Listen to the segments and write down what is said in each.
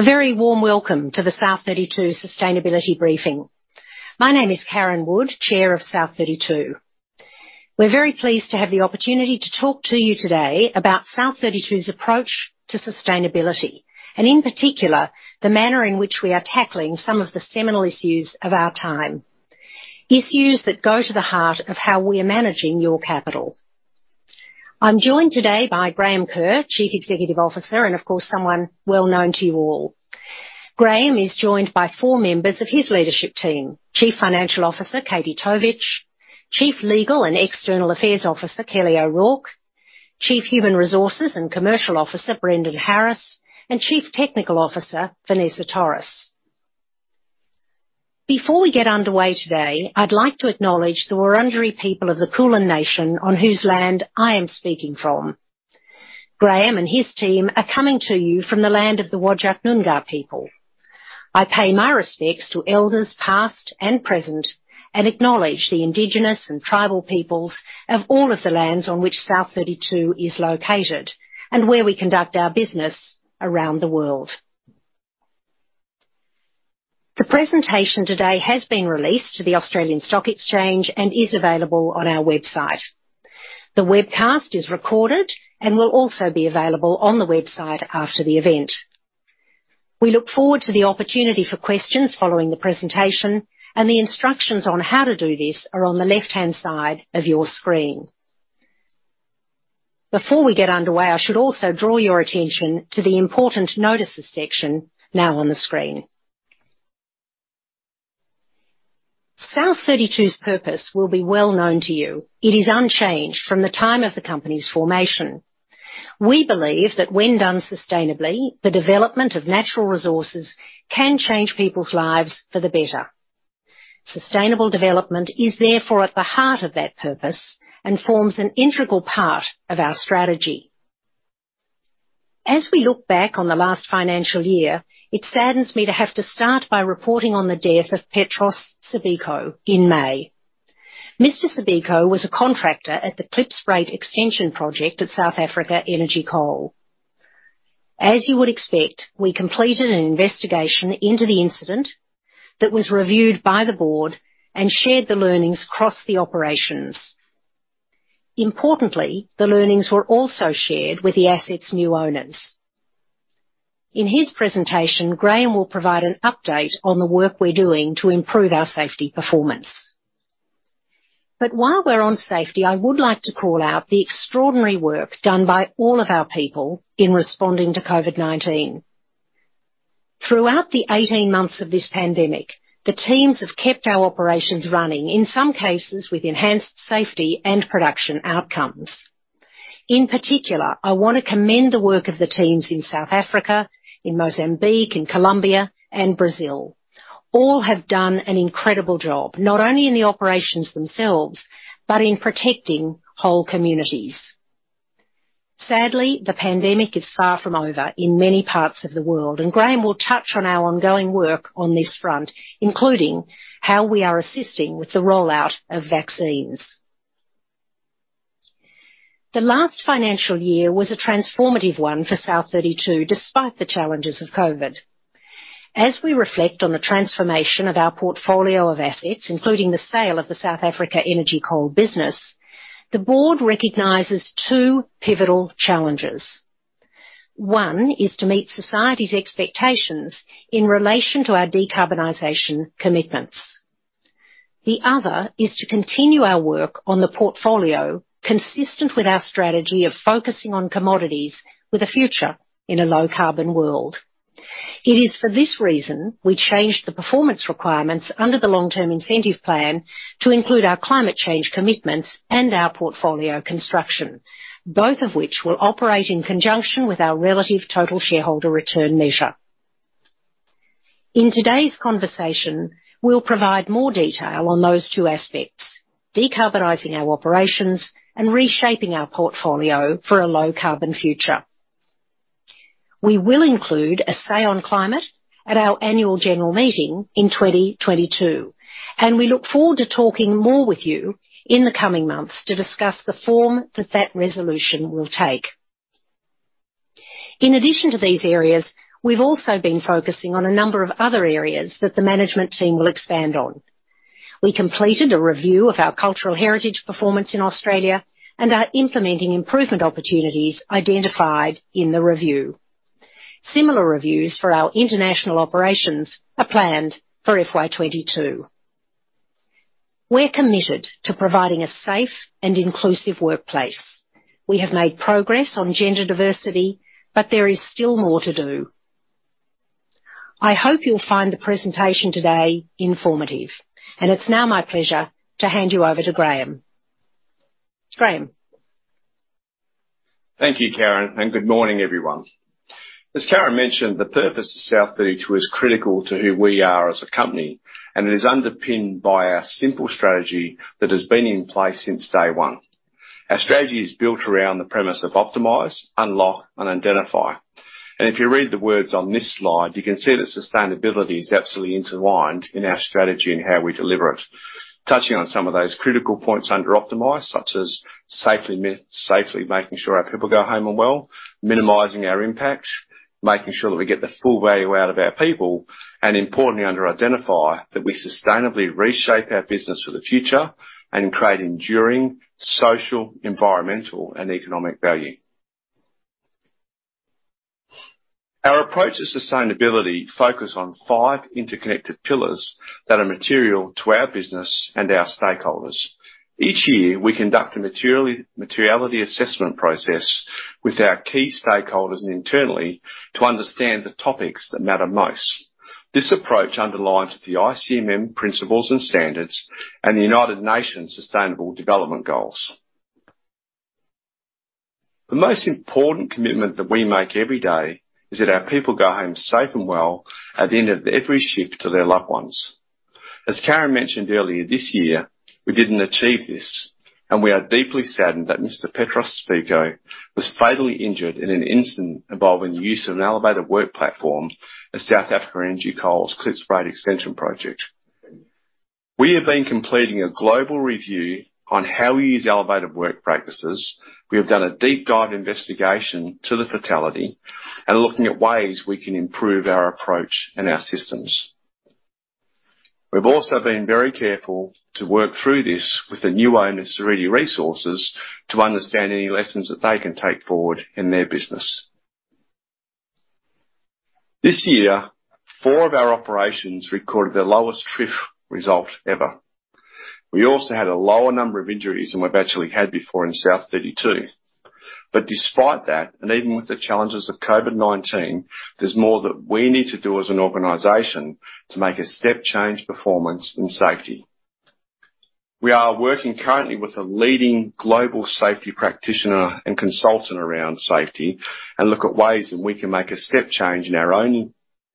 A very warm welcome to the South32 Sustainability Briefing. My name is Karen Wood, Chair of South32. We're very pleased to have the opportunity to talk to you today about South32's approach to sustainability, and in particular, the manner in which we are tackling some of the seminal issues of our time, issues that go to the heart of how we are managing your capital. I'm joined today by Graham Kerr, Chief Executive Officer, and of course, someone well known to you all. Graham is joined by four members of his leadership team: Chief Financial Officer, Katie Tovich, Chief Legal and External Affairs Officer, Kelly O'Rourke, Chief Human Resources and Commercial Officer, Brendan Harris, and Chief Technical Officer, Vanessa Torres. Before we get underway today, I'd like to acknowledge the Wurundjeri people of the Kulin Nation, on whose land I am speaking from. Graham and his team are coming to you from the land of the Whadjuk Noongar people. I pay my respects to elders, past and present, and acknowledge the Indigenous and tribal peoples of all of the lands on which South32 is located, and where we conduct our business around the world. The presentation today has been released to the Australian Stock Exchange and is available on our website. The webcast is recorded and will also be available on the website after the event. We look forward to the opportunity for questions following the presentation, and the instructions on how to do this are on the left-hand side of your screen. Before we get underway, I should also draw your attention to the Important Notices section now on the screen. South32's purpose will be well known to you. It is unchanged from the time of the company's formation. We believe that when done sustainably, the development of natural resources can change people's lives for the better. Sustainable development is therefore at the heart of that purpose and forms an integral part of our strategy. As we look back on the last financial year, it saddens me to have to start by reporting on the death of Petros Tshebiko in May. Mr. Tshebiko was a contractor at the Klipspruit Extension project at South Africa Energy Coal. As you would expect, we completed an investigation into the incident that was reviewed by the board and shared the learnings across the operations. Importantly, the learnings were also shared with the asset's new owners. In his presentation, Graham will provide an update on the work we're doing to improve our safety performance. But while we're on safety, I would like to call out the extraordinary work done by all of our people in responding to COVID-19. Throughout the 18 months of this pandemic, the teams have kept our operations running, in some cases, with enhanced safety and production outcomes. In particular, I want to commend the work of the teams in South Africa, in Mozambique, in Colombia, and Brazil. All have done an incredible job, not only in the operations themselves, but in protecting whole communities. Sadly, the pandemic is far from over in many parts of the world, and Graham will touch on our ongoing work on this front, including how we are assisting with the rollout of vaccines. The last financial year was a transformative one for South32, despite the challenges of COVID. As we reflect on the transformation of our portfolio of assets, including the sale of the South Africa Energy Coal business, the board recognizes two pivotal challenges. One is to meet society's expectations in relation to our decarbonization commitments. The other is to continue our work on the portfolio, consistent with our strategy of focusing on commodities with a future in a low-carbon world. It is for this reason we changed the performance requirements under the long-term incentive plan to include our climate change commitments and our portfolio construction, both of which will operate in conjunction with our relative total shareholder return measure. In today's conversation, we'll provide more detail on those two aspects: decarbonizing our operations and reshaping our portfolio for a low-carbon future. We will include a say on climate at our annual general meeting in 2022, and we look forward to talking more with you in the coming months to discuss the form that that resolution will take. In addition to these areas, we've also been focusing on a number of other areas that the management team will expand on. We completed a review of our cultural heritage performance in Australia, and are implementing improvement opportunities identified in the review. Similar reviews for our international operations are planned for FY22. We're committed to providing a safe and inclusive workplace. We have made progress on gender diversity, but there is still more to do. I hope you'll find the presentation today informative, and it's now my pleasure to hand you over to Graham. Graham? Thank you, Karen, and good morning, everyone. As Karen mentioned, the purpose of South32 is critical to who we are as a company, and it is underpinned by our simple strategy that has been in place since day one. Our strategy is built around the premise of optimize, unlock, and identify. If you read the words on this slide, you can see that sustainability is absolutely intertwined in our strategy and how we deliver it, touching on some of those critical points under optimize, such as safely making sure our people go home and well, minimizing our impact, making sure that we get the full value out of our people, and importantly, under identify that we sustainably reshape our business for the future and create enduring social, environmental, and economic value. Our approach to sustainability focuses on five interconnected pillars that are material to our business and our stakeholders. Each year, we conduct a materiality assessment process with our key stakeholders and internally, to understand the topics that matter most. This approach underlines the ICMM principles and standards and the United Nations Sustainable Development Goals. The most important commitment that we make every day is that our people go home safe and well at the end of every shift to their loved ones. As Karen mentioned earlier, this year, we didn't achieve this, and we are deeply saddened that Mr. Petros Mr. Petros Sibeko was fatally injured in an incident involving the use of an elevated work platform at South Africa Energy Coal's Klipspruit Extension project. We have been completing a global review on how we use elevated work practices. We have done a deep dive investigation to the fatality and looking at ways we can improve our approach and our systems. We've also been very careful to work through this with the new owner, Seriti Resources, to understand any lessons that they can take forward in their business. This year, 4 of our operations recorded their lowest TRIF result ever. We also had a lower number of injuries than we've actually had before in South32. But despite that, and even with the challenges of COVID-19, there's more that we need to do as an organization to make a step change performance in safety. We are working currently with a leading global safety practitioner and consultant around safety, and look at ways that we can make a step change in our own,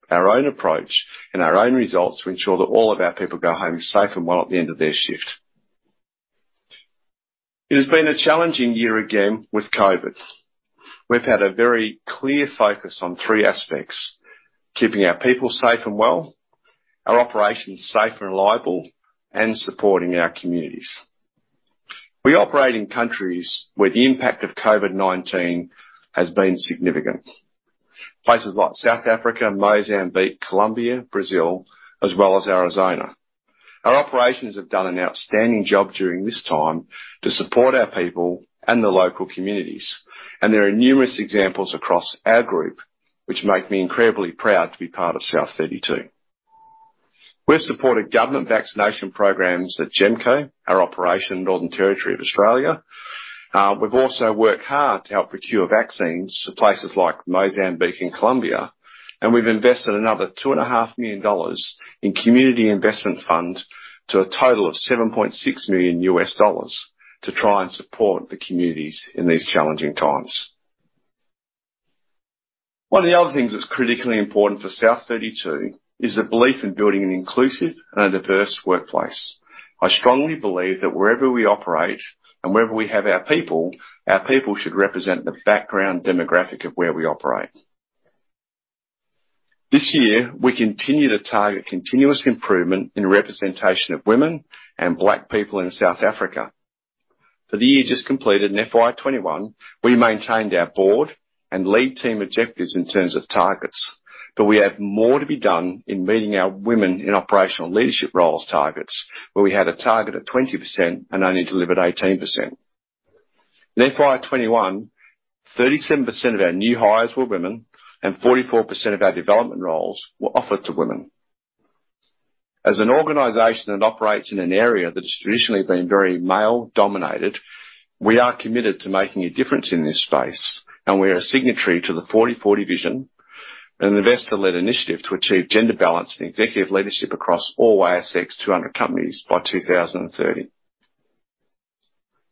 our own approach and our own results, to ensure that all of our people go home safe and well at the end of their shift. It has been a challenging year again, with COVID. We've had a very clear focus on three aspects: keeping our people safe and well, our operations safe and reliable, and supporting our communities. We operate in countries where the impact of COVID-19 has been significant. Places like South Africa, Mozambique, Colombia, Brazil, as well as Arizona. Our operations have done an outstanding job during this time to support our people and the local communities, and there are numerous examples across our group which make me incredibly proud to be part of South32. We've supported government vaccination programs at GEMCO, our operation in Northern Territory of Australia. We've also worked hard to help procure vaccines to places like Mozambique and Colombia, and we've invested another $2.5 million in community investment fund to a total of $7.6 million, to try and support the communities in these challenging times. One of the other things that's critically important for South32 is the belief in building an inclusive and a diverse workplace. I strongly believe that wherever we operate and wherever we have our people, our people should represent the background demographic of where we operate. This year, we continue to target continuous improvement in representation of women and Black people in South Africa. For the year just completed, in FY21, we maintained our board and lead team objectives in terms of targets, but we have more to be done in meeting our women in operational leadership roles targets, where we had a target of 20% and only delivered 18%. In FY21, 37% of our new hires were women, and 44% of our development roles were offered to women. As an organization that operates in an area that has traditionally been very male-dominated, we are committed to making a difference in this space, and we are a signatory to the 40:40 Vision, an investor-led initiative to achieve gender balance in executive leadership across all ASX 200 companies by 2030.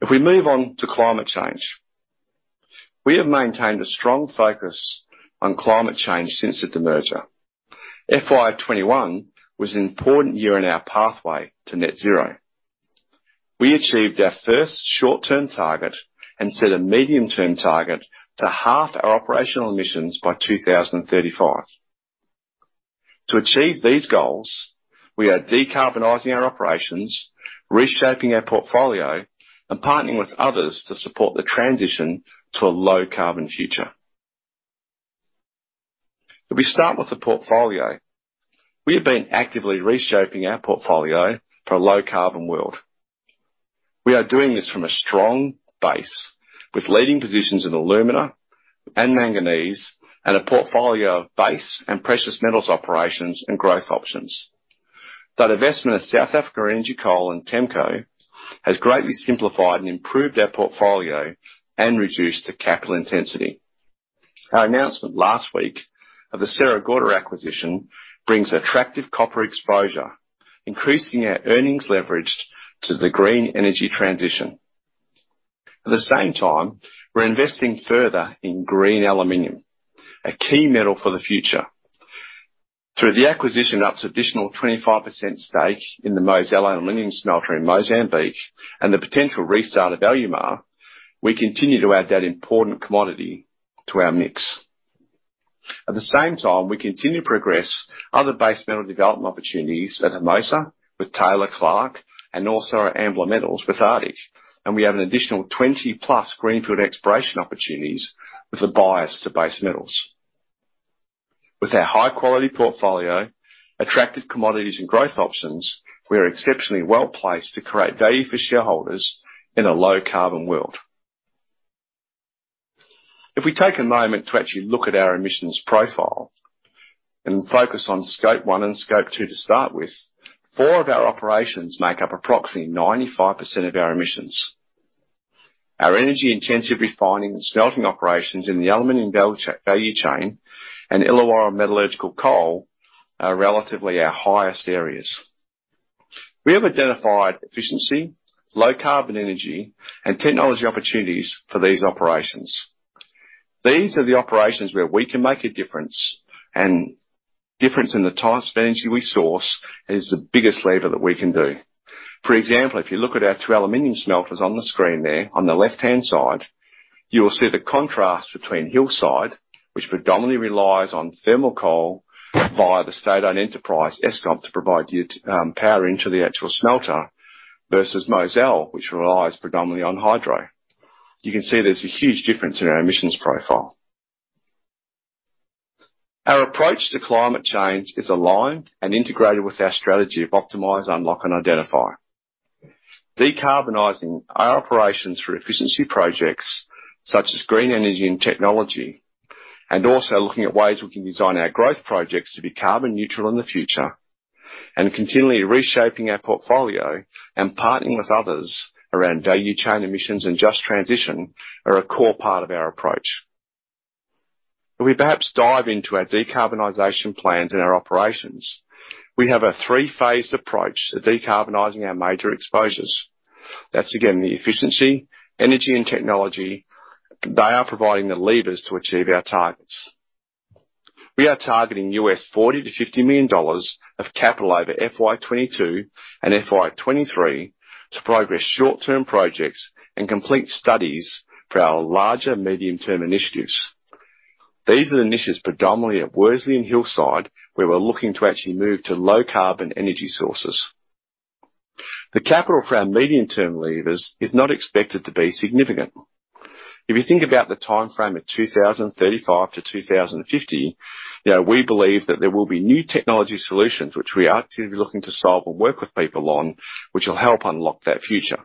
If we move on to climate change, we have maintained a strong focus on climate change since the demerger. FY21 was an important year in our pathway to net zero. We achieved our first short-term target and set a medium-term target to half our operational emissions by 2035. To achieve these goals, we are decarbonizing our operations, reshaping our portfolio, and partnering with others to support the transition to a low-carbon future. If we start with the portfolio, we have been actively reshaping our portfolio for a low-carbon world. We are doing this from a strong base, with leading positions in alumina and manganese, and a portfolio of base and precious metals operations and growth options. That investment of South Africa Energy Coal and TEMCO has greatly simplified and improved our portfolio and reduced the capital intensity. Our announcement last week of the Sierra Gorda acquisition brings attractive copper exposure, increasing our earnings leverage to the green energy transition. At the same time, we're investing further in green aluminum, a key metal for the future. Through the acquisition of up to an additional 25% stake in the Mozal Aluminium smelter in Mozambique and the potential restart of Alumar, we continue to add that important commodity to our mix. At the same time, we continue to progress other base metal development opportunities at Hermosa, with Taylor and Clark, and also at Ambler Metals with Arctic. And we have an additional 20+ greenfield exploration opportunities with a bias to base metals. With our high-quality portfolio, attractive commodities, and growth options, we are exceptionally well-placed to create value for shareholders in a low-carbon world. If we take a moment to actually look at our emissions profile and focus on Scope 1 and Scope 2 to start with, four of our operations make up approximately 95% of our emissions. Our energy-intensive refining and smelting operations in the aluminum value chain and Illawarra Metallurgical Coal are relatively our highest areas. We have identified efficiency, low-carbon energy, and technology opportunities for these operations. These are the operations where we can make a difference, and difference in the type of energy we source is the biggest lever that we can do. For example, if you look at our two aluminum smelters on the screen there, on the left-hand side, you will see the contrast between Hillside, which predominantly relies on thermal coal via the state-owned enterprise, Eskom, to provide power into the actual smelter, versus Mozal, which relies predominantly on hydro. You can see there's a huge difference in our emissions profile. Our approach to climate change is aligned and integrated with our strategy of optimize, unlock, and identify. Decarbonizing our operations through efficiency projects such as green energy and technology, and also looking at ways we can design our growth projects to be carbon neutral in the future, and continually reshaping our portfolio and partnering with others around value chain emissions and just transition, are a core part of our approach. If we perhaps dive into our decarbonization plans and our operations, we have a three-phase approach to decarbonizing our major exposures. That's, again, the efficiency, energy, and technology. They are providing the levers to achieve our targets. We are targeting $40 million-$50 million of capital over FY22 and FY23 to progress short-term projects and complete studies for our larger medium-term initiatives. These are the initiatives predominantly at Worsley and Hillside, where we're looking to actually move to low-carbon energy sources. The capital for our medium-term levers is not expected to be significant. If you think about the timeframe of 2035 to 2050, you know, we believe that there will be new technology solutions which we are actively looking to solve and work with people on, which will help unlock that future.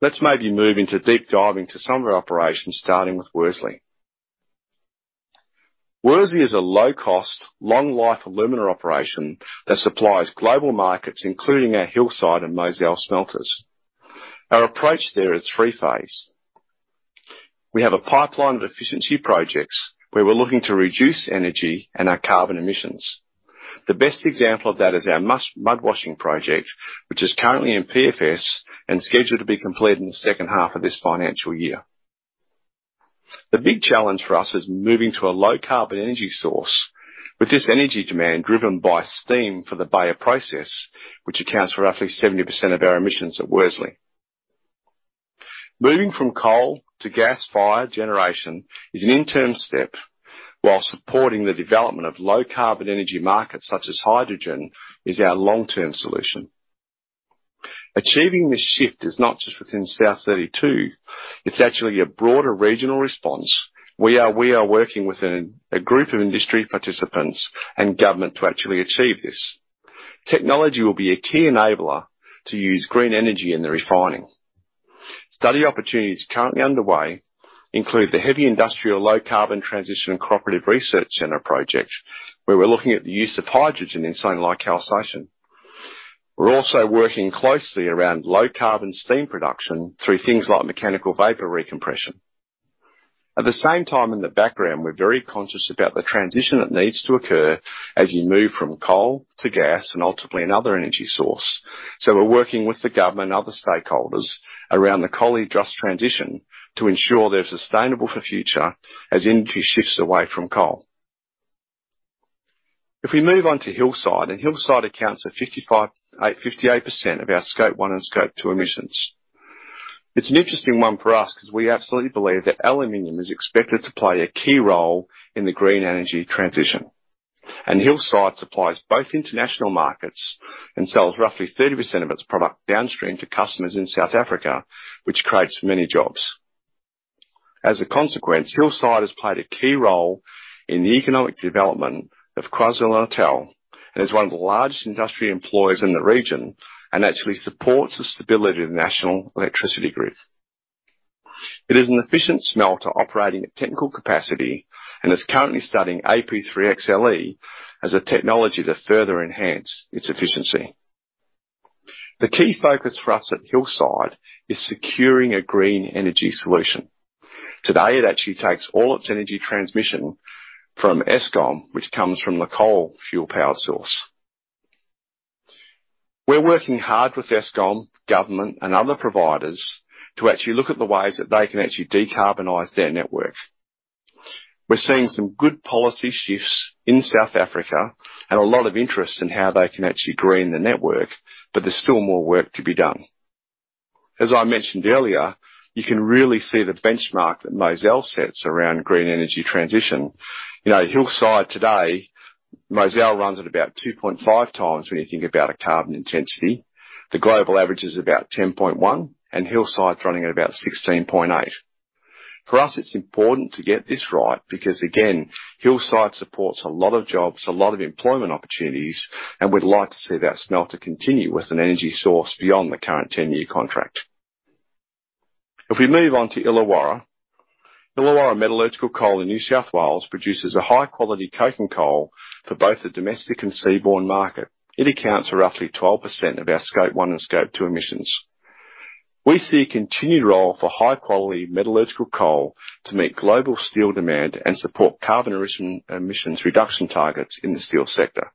Let's maybe move into deep diving to some of our operations, starting with Worsley. Worsley is a low-cost, long-life alumina operation that supplies global markets, including our Hillside and Mozal smelters. Our approach there is three phase. We have a pipeline of efficiency projects where we're looking to reduce energy and our carbon emissions. The best example of that is our mud washing project, which is currently in PFS and scheduled to be completed in the second half of this financial year. The big challenge for us is moving to a low-carbon energy source, with this energy demand driven by steam for the Bayer process, which accounts for roughly 70% of our emissions at Worsley. Moving from coal to gas-fired generation is an interim step, while supporting the development of low-carbon energy markets, such as hydrogen, is our long-term solution. Achieving this shift is not just within South32, it's actually a broader regional response, where we are working with a group of industry participants and government to actually achieve this. Technology will be a key enabler to use green energy in the refining. Study opportunities currently underway include the Heavy Industrial Low-Carbon Transition and Cooperative Research Center Project, where we're looking at the use of hydrogen in calcination. We're also working closely around low-carbon steam production through things like mechanical vapor recompression. At the same time, in the background, we're very conscious about the transition that needs to occur as you move from coal to gas and ultimately another energy source. So we're working with the government and other stakeholders around the Collie just transition to ensure they're sustainable for the future as energy shifts away from coal. If we move on to Hillside, and Hillside accounts for 58% of our Scope 1 and Scope 2 emissions. It's an interesting one for us, because we absolutely believe that aluminum is expected to play a key role in the green energy transition. And Hillside supplies both international markets and sells roughly 30% of its product downstream to customers in South Africa, which creates many jobs. As a consequence, Hillside has played a key role in the economic development of KwaZulu-Natal, and is one of the largest industrial employers in the region, and actually supports the stability of the National Electricity Grid. It is an efficient smelter, operating at technical capacity, and is currently studying AP3XLE as a technology to further enhance its efficiency. The key focus for us at Hillside is securing a green energy solution. Today, it actually takes all its energy transmission from Eskom, which comes from the coal fuel power source. We're working hard with Eskom, government, and other providers to actually look at the ways that they can actually decarbonize their network. We're seeing some good policy shifts in South Africa, and a lot of interest in how they can actually green the network, but there's still more work to be done. As I mentioned earlier, you can really see the benchmark that Mozal sets around green energy transition. You know, Hillside today, Mozal runs at about 2.5 times when you think about a carbon intensity. The global average is about 10.1, and Hillside's running at about 16.8. For us, it's important to get this right, because again, Hillside supports a lot of jobs, a lot of employment opportunities, and we'd like to see that smelter continue with an energy source beyond the current 10-year contract. If we move on to Illawarra. Illawarra Metallurgical Coal in New South Wales produces a high-quality coking coal for both the domestic and seaborne market. It accounts for roughly 12% of our Scope 1 and Scope 2 emissions. We see a continued role for high-quality metallurgical coal to meet global steel demand and support carbon emissions reduction targets in the steel sector.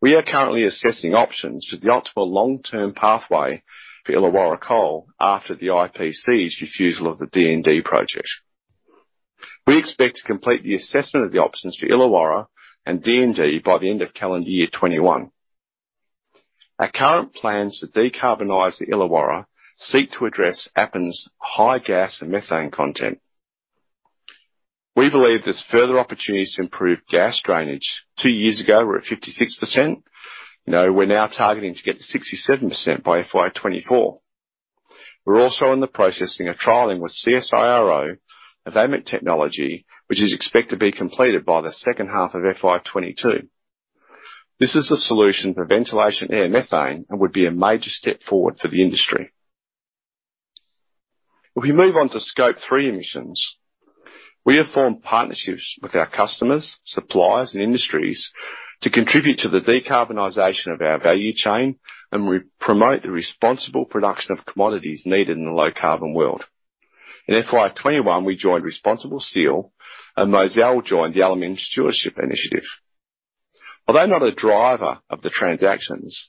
We are currently assessing options for the optimal long-term pathway for Illawarra Coal after the IPC's refusal of the DND project. We expect to complete the assessment of the options for Illawarra and DND by the end of calendar year 2021. Our current plans to decarbonize the Illawarra seek to address Appin's high gas and methane content. We believe there's further opportunities to improve gas drainage. Two years ago, we were at 56%. Now, we're targeting to get to 67% by FY24. We're also in the process in a trialing with CSIRO of VAMMIT technology, which is expected to be completed by the second half of FY22. This is a solution for ventilation, air, and methane and would be a major step forward for the industry. If we move on to Scope 3 emissions, we have formed partnerships with our customers, suppliers, and industries to contribute to the decarbonization of our value chain, and we promote the responsible production of commodities needed in a low-carbon world. In FY21, we joined ResponsibleSteel, and Mozal joined the Aluminum Stewardship Initiative. Although not a driver of the transactions,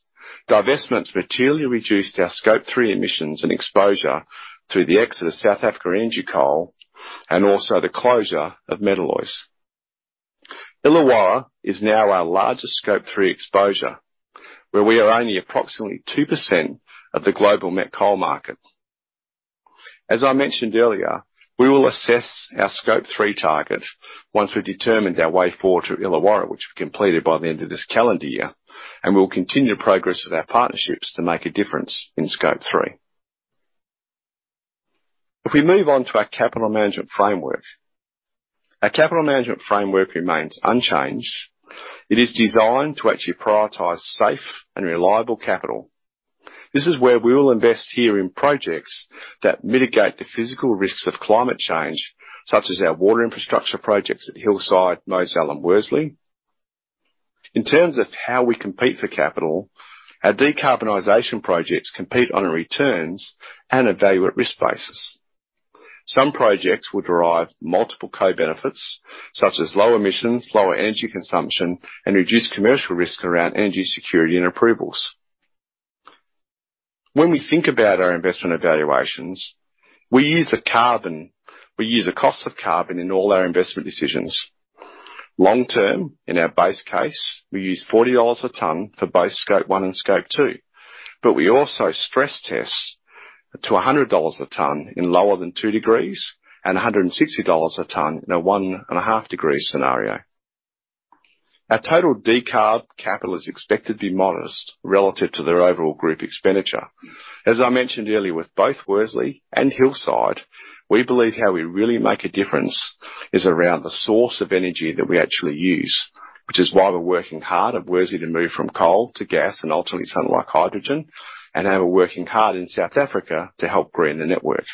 divestments materially reduced our Scope 3 emissions and exposure through the exit of South African Energy Coal and also the closure of Metaloys. Illawarra is now our largest Scope 3 exposure, where we are only approximately 2% of the global met coal market. As I mentioned earlier, we will assess our Scope 3 target once we've determined our way forward to Illawarra, which will be completed by the end of this calendar year, and we will continue to progress with our partnerships to make a difference in Scope 3. If we move on to our capital management framework. Our capital management framework remains unchanged. It is designed to actually prioritize safe and reliable capital. This is where we will invest here in projects that mitigate the physical risks of climate change, such as our water infrastructure projects at Hillside, Mozal, and Worsley. In terms of how we compete for capital, our decarbonization projects compete on a returns and a value at risk basis. Some projects will derive multiple co-benefits, such as low emissions, lower energy consumption, and reduced commercial risk around energy security and approvals. When we think about our investment evaluations, we use a cost of carbon in all our investment decisions. Long-term, in our base case, we use $40 a ton for both Scope 1 and Scope 2, but we also stress test to $100 a ton in lower than 2 degrees and $160 a ton in a 1.5-degree scenario. Our total decarb capital is expected to be modest relative to their overall group expenditure. As I mentioned earlier, with both Worsley and Hillside, we believe how we really make a difference is around the source of energy that we actually use, which is why we're working hard at Worsley to move from coal to gas and ultimately something like hydrogen, and how we're working hard in South Africa to help green the network.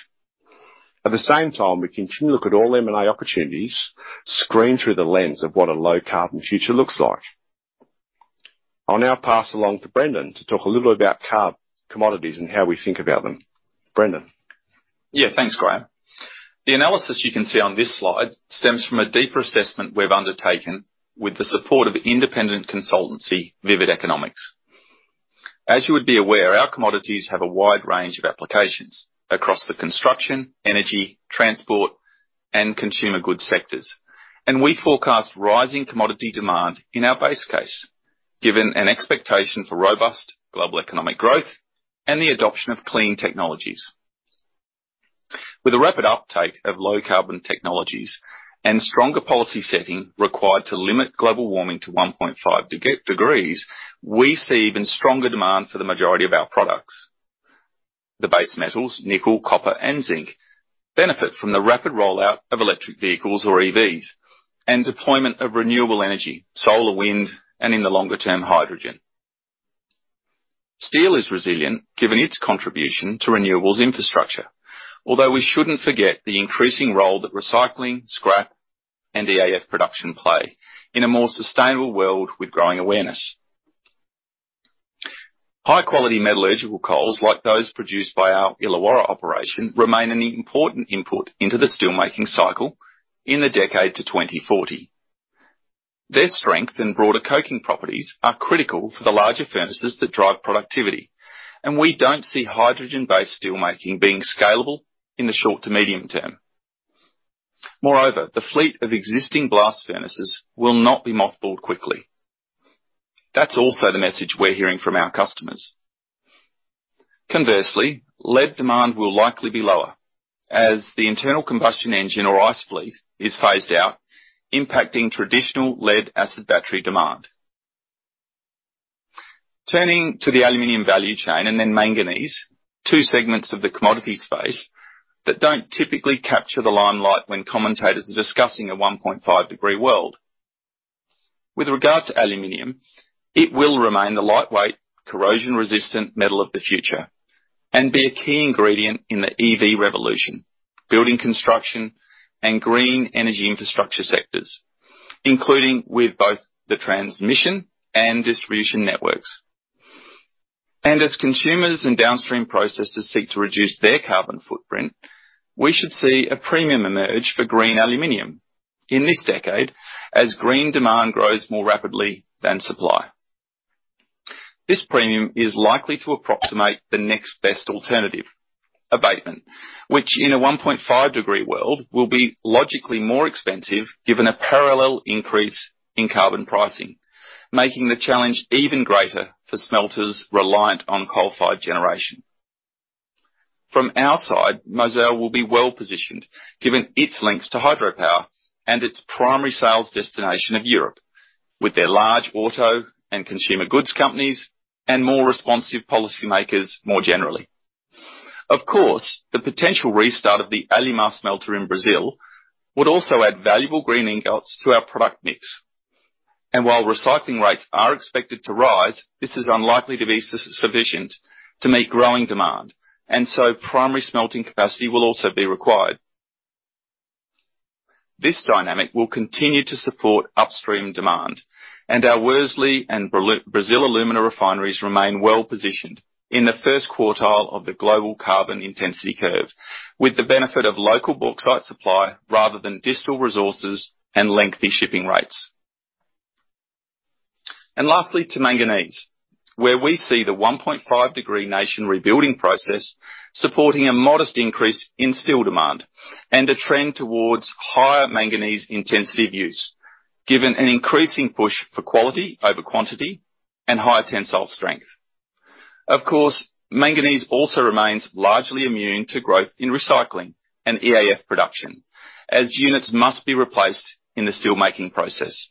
At the same time, we continue to look at all M&A opportunities, screened through the lens of what a low-carbon future looks like. I'll now pass along to Brendan to talk a little about commodities and how we think about them. Brendan? Yeah, thanks, Graham. The analysis you can see on this slide stems from a deeper assessment we've undertaken with the support of independent consultancy, Vivid Economics. As you would be aware, our commodities have a wide range of applications across the construction, energy, transport, and consumer goods sectors, and we forecast rising commodity demand in our base case, given an expectation for robust global economic growth and the adoption of clean technologies. With the rapid uptake of low-carbon technologies and stronger policy setting required to limit global warming to 1.5 degrees, we see even stronger demand for the majority of our products. The base metals, nickel, copper, and zinc, benefit from the rapid rollout of electric vehicles, or EVs, and deployment of renewable energy, solar, wind, and in the longer term, hydrogen. Steel is resilient, given its contribution to renewables infrastructure, although we shouldn't forget the increasing role that recycling, scrap, and EAF production play in a more sustainable world with growing awareness. High-quality metallurgical coals, like those produced by our Illawarra operation, remain an important input into the steelmaking cycle in the decade to 2040. Their strength and broader coking properties are critical for the larger furnaces that drive productivity, and we don't see hydrogen-based steelmaking being scalable in the short to medium term. Moreover, the fleet of existing blast furnaces will not be mothballed quickly. That's also the message we're hearing from our customers. Conversely, lead demand will likely be lower as the internal combustion engine, or ICE fleet, is phased out, impacting traditional lead-acid battery demand. Turning to the aluminum value chain and then manganese, two segments of the commodity space that don't typically capture the limelight when commentators are discussing a 1.5-degree world. With regard to aluminum, it will remain the lightweight, corrosion-resistant metal of the future and be a key ingredient in the EV revolution, building construction, and green energy infrastructure sectors, including with both the transmission and distribution networks. As consumers and downstream processors seek to reduce their carbon footprint, we should see a premium emerge for green aluminum in this decade as green demand grows more rapidly than supply. This premium is likely to approximate the next best alternative, abatement, which in a 1.5-degree world, will be logically more expensive, given a parallel increase in carbon pricing, making the challenge even greater for smelters reliant on coal-fired generation. From our side, Mozal will be well-positioned, given its links to hydropower and its primary sales destination of Europe, with their large auto and consumer goods companies and more responsive policymakers more generally. Of course, the potential restart of the Alumar smelter in Brazil would also add valuable green ingots to our product mix. And while recycling rates are expected to rise, this is unlikely to be sufficient to meet growing demand, and so primary smelting capacity will also be required. This dynamic will continue to support upstream demand, and our Worsley and Brazil alumina refineries remain well positioned in the first quartile of the global carbon intensity curve, with the benefit of local bauxite supply, rather than distal resources and lengthy shipping rates. And lastly, to manganese, where we see the 1.5-degree nation rebuilding process supporting a modest increase in steel demand and a trend towards higher manganese intensity use, given an increasing push for quality over quantity and higher tensile strength. Of course, manganese also remains largely immune to growth in recycling and EAF production, as units must be replaced in the steelmaking process.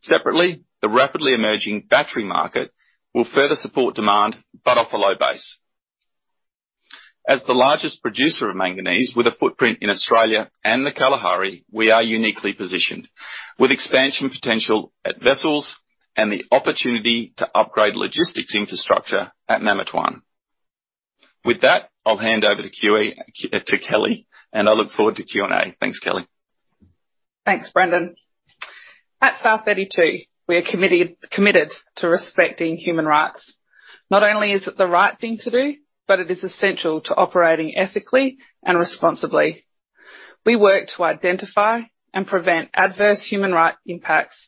Separately, the rapidly emerging battery market will further support demand, but off a low base. As the largest producer of manganese with a footprint in Australia and the Kalahari, we are uniquely positioned, with expansion potential at Wessels and the opportunity to upgrade logistics infrastructure at Mamatwan. With that, I'll hand over to QE, to Kelly, and I look forward to Q&A. Thanks, Kelly. Thanks, Brendan. At South32, we are committed, committed to respecting human rights. Not only is it the right thing to do, but it is essential to operating ethically and responsibly. We work to identify and prevent adverse human rights impacts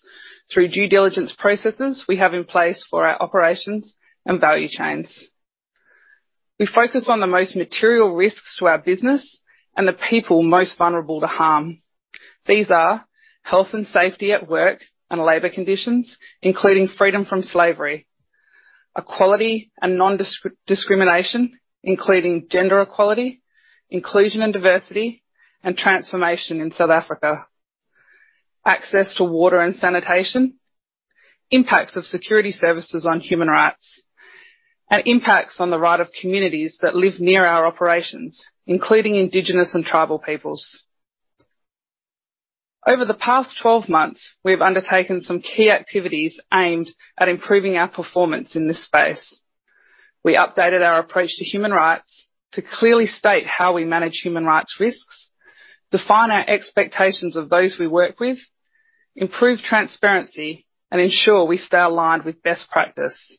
through due diligence processes we have in place for our operations and value chains. We focus on the most material risks to our business and the people most vulnerable to harm. These are health and safety at work and labor conditions, including freedom from slavery, equality and non-discrimination, including gender equality, inclusion and diversity, and transformation in South Africa, access to water and sanitation, impacts of security services on human rights, and impacts on the right of communities that live near our operations, including Indigenous and tribal peoples. Over the past 12 months, we've undertaken some key activities aimed at improving our performance in this space. We updated our approach to human rights to clearly state how we manage human rights risks, define our expectations of those we work with, improve transparency, and ensure we stay aligned with best practice.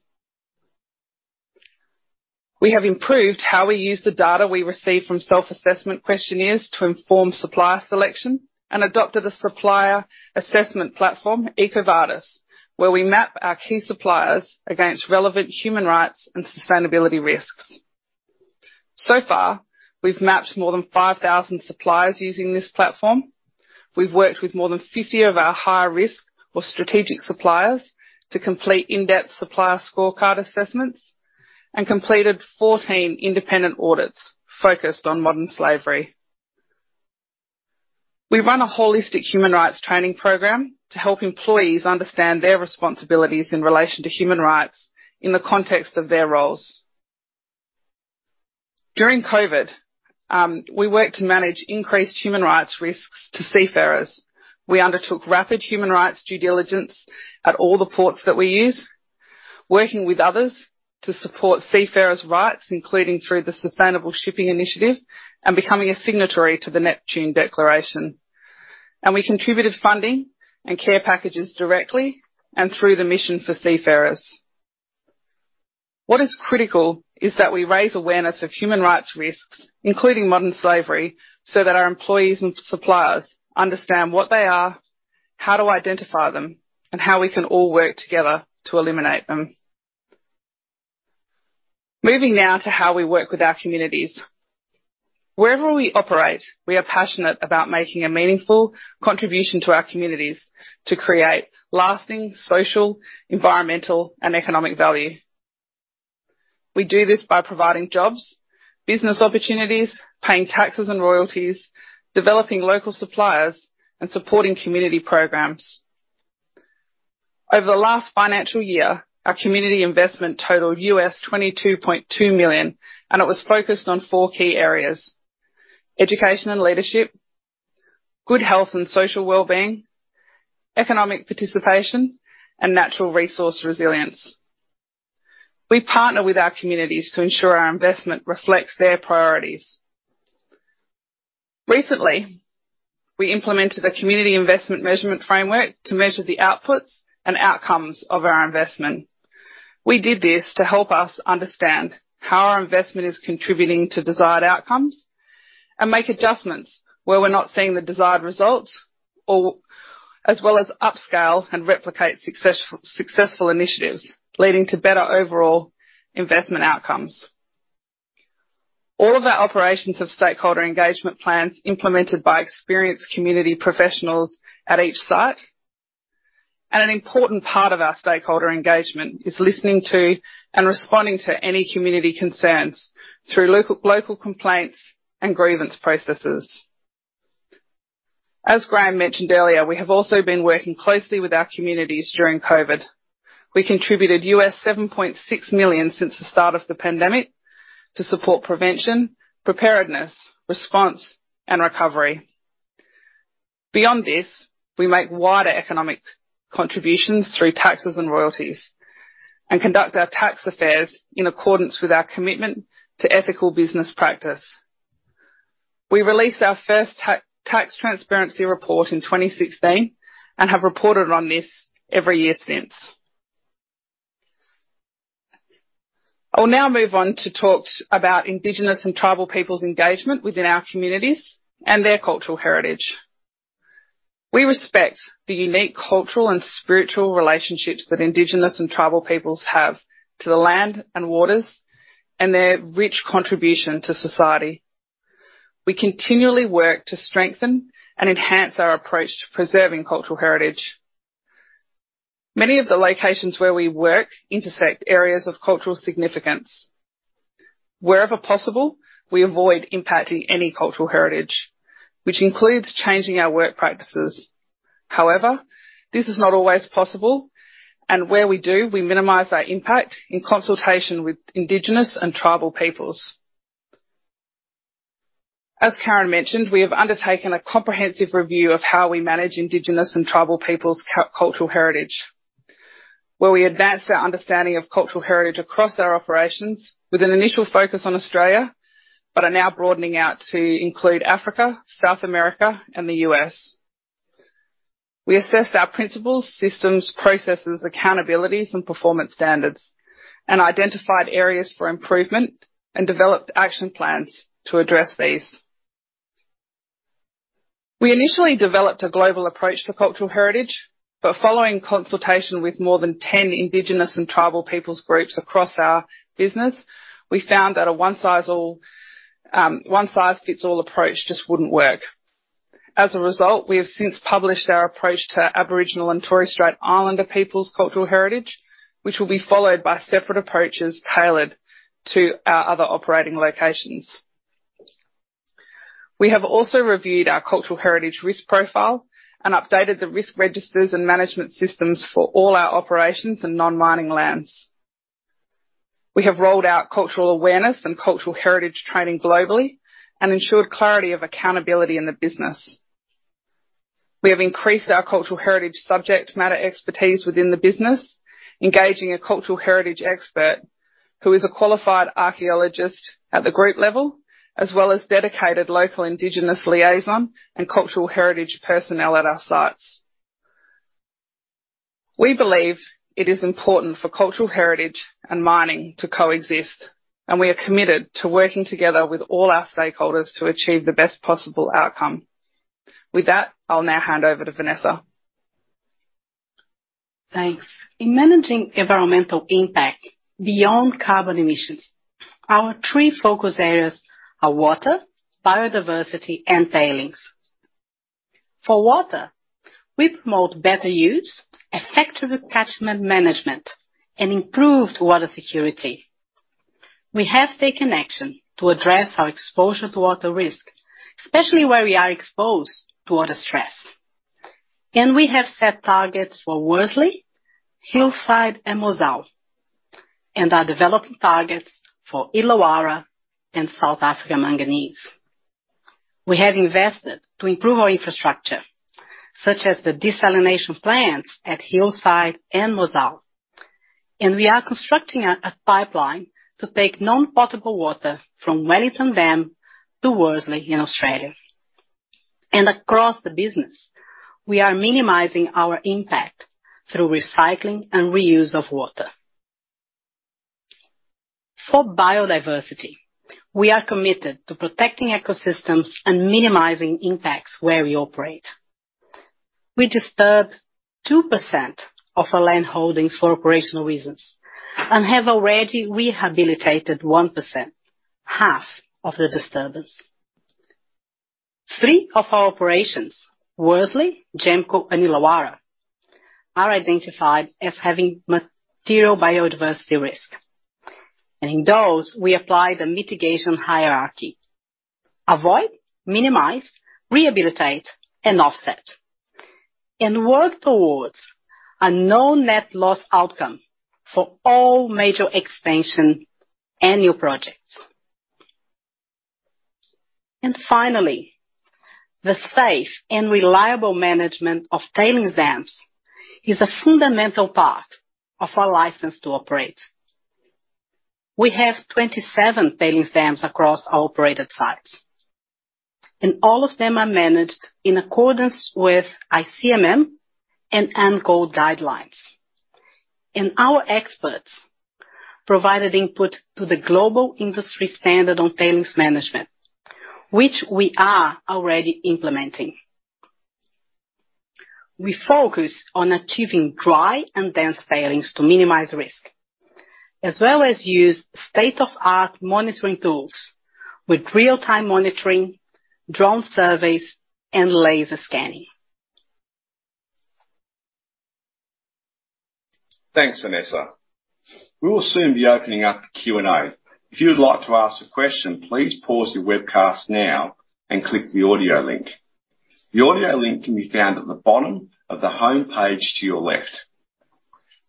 We have improved how we use the data we receive from self-assessment questionnaires to inform supplier selection and adopted a supplier assessment platform, EcoVadis, where we map our key suppliers against relevant human rights and sustainability risks. So far, we've mapped more than 5,000 suppliers using this platform. We've worked with more than 50 of our higher-risk or strategic suppliers to complete in-depth supplier scorecard assessments and completed 14 independent audits focused on modern slavery. We run a holistic human rights training program to help employees understand their responsibilities in relation to human rights in the context of their roles. During COVID, we worked to manage increased human rights risks to seafarers. We undertook rapid human rights due diligence at all the ports that we use, working with others to support seafarers' rights, including through the Sustainable Shipping Initiative and becoming a signatory to the Neptune Declaration. We contributed funding and care packages directly and through the Mission to Seafarers. What is critical is that we raise awareness of human rights risks, including modern slavery, so that our employees and suppliers understand what they are, how to identify them, and how we can all work together to eliminate them. Moving now to how we work with our communities. Wherever we operate, we are passionate about making a meaningful contribution to our communities to create lasting social, environmental, and economic value. We do this by providing jobs, business opportunities, paying taxes and royalties, developing local suppliers, and supporting community programs. Over the last financial year, our community investment totaled $22.2 million, and it was focused on four key areas: education and leadership, good health and social wellbeing, economic participation, and natural resource resilience. We partner with our communities to ensure our investment reflects their priorities. Recently, we implemented a community investment measurement framework to measure the outputs and outcomes of our investment. We did this to help us understand how our investment is contributing to desired outcomes and make adjustments where we're not seeing the desired results or as well as upscale and replicate successful initiatives, leading to better overall investment outcomes. All of our operations have stakeholder engagement plans implemented by experienced community professionals at each site. An important part of our stakeholder engagement is listening to and responding to any community concerns through local complaints and grievance processes. As Graham mentioned earlier, we have also been working closely with our communities during COVID. We contributed $7.6 million since the start of the pandemic to support prevention, preparedness, response, and recovery. Beyond this, we make wider economic contributions through taxes and royalties, and conduct our tax affairs in accordance with our commitment to ethical business practice. We released our first tax transparency report in 2016 and have reported on this every year since. I'll now move on to talk about Indigenous and tribal peoples' engagement within our communities and their cultural heritage. We respect the unique cultural and spiritual relationships that Indigenous and tribal peoples have to the land and waters, and their rich contribution to society. We continually work to strengthen and enhance our approach to preserving cultural heritage. Many of the locations where we work intersect areas of cultural significance. Wherever possible, we avoid impacting any cultural heritage, which includes changing our work practices. However, this is not always possible, and where we do, we minimize our impact in consultation with Indigenous and Tribal peoples. As Karen mentioned, we have undertaken a comprehensive review of how we manage Indigenous and Tribal peoples' cultural heritage, where we advanced our understanding of cultural heritage across our operations, with an initial focus on Australia, but are now broadening out to include Africa, South America, and the US. We assessed our principles, systems, processes, accountabilities, and performance standards, and identified areas for improvement and developed action plans to address these. We initially developed a global approach to cultural heritage, but following consultation with more than 10 Indigenous and Tribal peoples groups across our business, we found that a one-size-all, one-size-fits-all approach just wouldn't work. As a result, we have since published our approach to Aboriginal and Torres Strait Islander peoples' cultural heritage, which will be followed by separate approaches tailored to our other operating locations. We have also reviewed our cultural heritage risk profile and updated the risk registers and management systems for all our operations and non-mining lands. We have rolled out cultural awareness and cultural heritage training globally and ensured clarity of accountability in the business. We have increased our cultural heritage subject matter expertise within the business, engaging a cultural heritage expert who is a qualified archaeologist at the group level, as well as dedicated local indigenous liaison and cultural heritage personnel at our sites. We believe it is important for cultural heritage and mining to coexist, and we are committed to working together with all our stakeholders to achieve the best possible outcome. With that, I'll now hand over to Vanessa. Thanks. In managing environmental impact beyond carbon emissions, our three focus areas are water, biodiversity, and tailings. For water, we promote better use, effective catchment management, and improved water security. We have taken action to address our exposure to water risk, especially where we are exposed to water stress. And we have set targets for Worsley, Hillside, and Mozal, and are developing targets for Illawarra and South Africa Manganese. We have invested to improve our infrastructure, such as the desalination plants at Hillside and Mozal, and we are constructing a pipeline to take non-potable water from Wellington Dam to Worsley in Australia. And across the business, we are minimizing our impact through recycling and reuse of water. For biodiversity, we are committed to protecting ecosystems and minimizing impacts where we operate. We disturbed 2% of our land holdings for operational reasons and have already rehabilitated 1%, half of the disturbance. 3 of our operations, Worsley, GEMCO, and Illawarra, are identified as having material biodiversity risk, and in those, we apply the mitigation hierarchy: avoid, minimize, rehabilitate, and offset, and work towards a no net loss outcome for all major expansion and new projects. Finally, the safe and reliable management of tailings dams is a fundamental part of our license to operate. We have 27 tailings dams across our operated sites, and all of them are managed in accordance with ICMM and ANCOLD guidelines. Our experts provided input to the global industry standard on tailings management, which we are already implementing. We focus on achieving dry and dense tailings to minimize risk, as well as use state-of-the-art monitoring tools with real-time monitoring, drone surveys, and laser scanning. Thanks, Vanessa. We will soon be opening up the Q&A. If you would like to ask a question, please pause your webcast now and click the audio link. The audio link can be found at the bottom of the homepage to your left.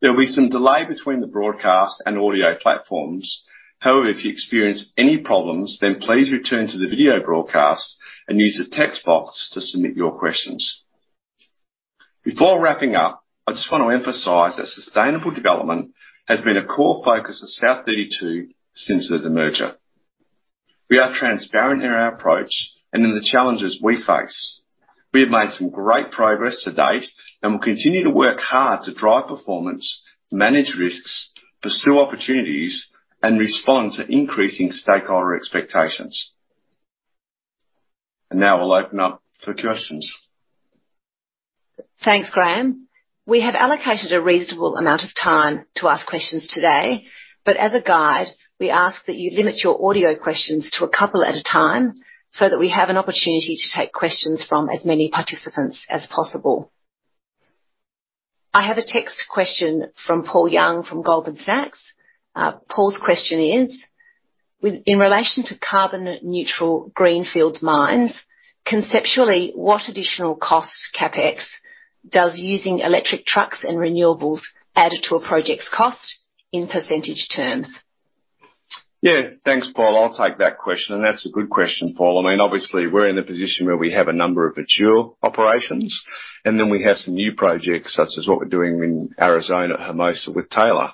There will be some delay between the broadcast and audio platforms. However, if you experience any problems, then please return to the video broadcast and use the text box to submit your questions. Before wrapping up, I just want to emphasize that sustainable development has been a core focus of South32 since the demerger. We are transparent in our approach and in the challenges we face. We have made some great progress to date and will continue to work hard to drive performance, manage risks, pursue opportunities, and respond to increasing stakeholder expectations. Now I'll open up for questions. Thanks, Graham. We have allocated a reasonable amount of time to ask questions today, but as a guide, we ask that you limit your audio questions to a couple at a time, so that we have an opportunity to take questions from as many participants as possible. I have a text question from Paul Young, from Goldman Sachs. Paul's question is: with in relation to carbon neutral greenfield mines, conceptually, what additional cost, CapEx, does using electric trucks and renewables add to a project's cost in percentage terms? Yeah, thanks, Paul. I'll take that question, and that's a good question, Paul. I mean, obviously, we're in a position where we have a number of mature operations, and then we have some new projects, such as what we're doing in Arizona at Hermosa with Taylor.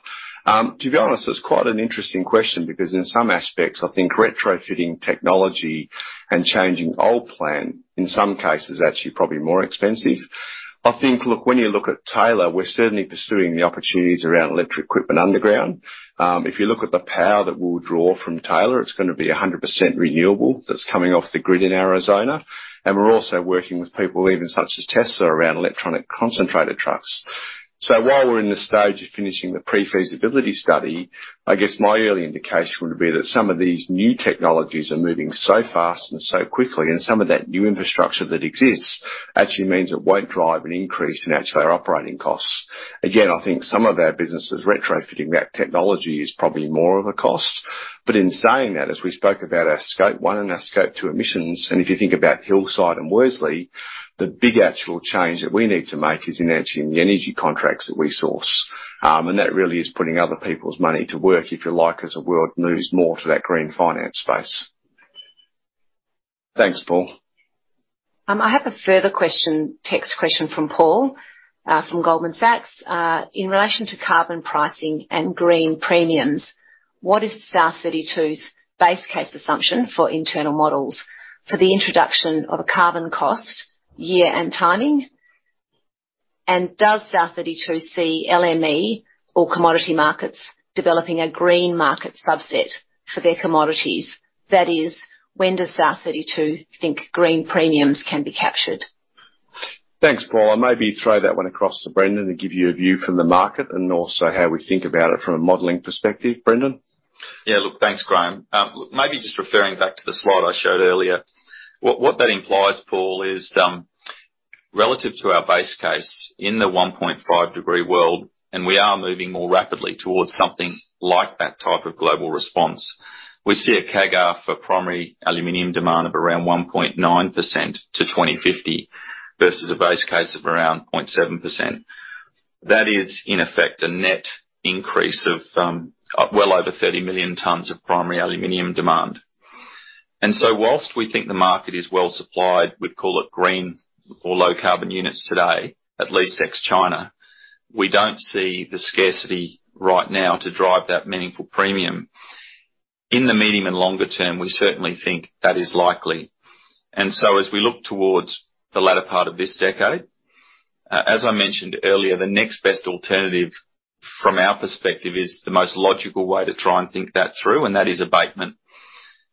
To be honest, it's quite an interesting question, because in some aspects, I think retrofitting technology and changing old plant, in some cases, is actually probably more expensive. I think, look, when you look at Taylor, we're certainly pursuing the opportunities around electric equipment underground. If you look at the power that we'll draw from Taylor, it's going to be 100% renewable, that's coming off the grid in Arizona. And we're also working with people, even such as Tesla, around electronic concentrated trucks. So while we're in the stage of finishing the pre-feasibility study, I guess my early indication would be that some of these new technologies are moving so fast and so quickly, and some of that new infrastructure that exists actually means it won't drive an increase in actually our operating costs. Again, I think some of our businesses, retrofitting that technology is probably more of a cost. But in saying that, as we spoke about our Scope 1 and our Scope 2 emissions, and if you think about Hillside and Worsley, the big actual change that we need to make is in actually in the energy contracts that we source. And that really is putting other people's money to work, if you like, as the world moves more to that green finance space. Thanks, Paul. I have a further question, text question from Paul, from Goldman Sachs. In relation to carbon pricing and green premiums, what is South32's base case assumption for internal models for the introduction of a carbon cost, year and timing? And does South32 see LME or commodity markets developing a green market subset for their commodities? That is, when does South32 think green premiums can be captured? Thanks, Paul. I'll maybe throw that one across to Brendan, to give you a view from the market and also how we think about it from a modeling perspective. Brendan? Yeah, look, thanks, Graham. Maybe just referring back to the slide I showed earlier. What that implies, Paul, is, relative to our base case in the 1.5-degree world, and we are moving more rapidly towards something like that type of global response, we see a CAGR for primary aluminum demand of around 1.9% to 2050, versus a base case of around 0.7%. That is, in effect, a net increase of, well over 30 million tons of primary aluminum demand. And so whilst we think the market is well-supplied, we'd call it green or low-carbon units today, at least ex-China, we don't see the scarcity right now to drive that meaningful premium. In the medium and longer term, we certainly think that is likely. And so as we look toward the latter part of this decade, as I mentioned earlier, the next best alternative. From our perspective, is the most logical way to try and think that through, and that is abatement.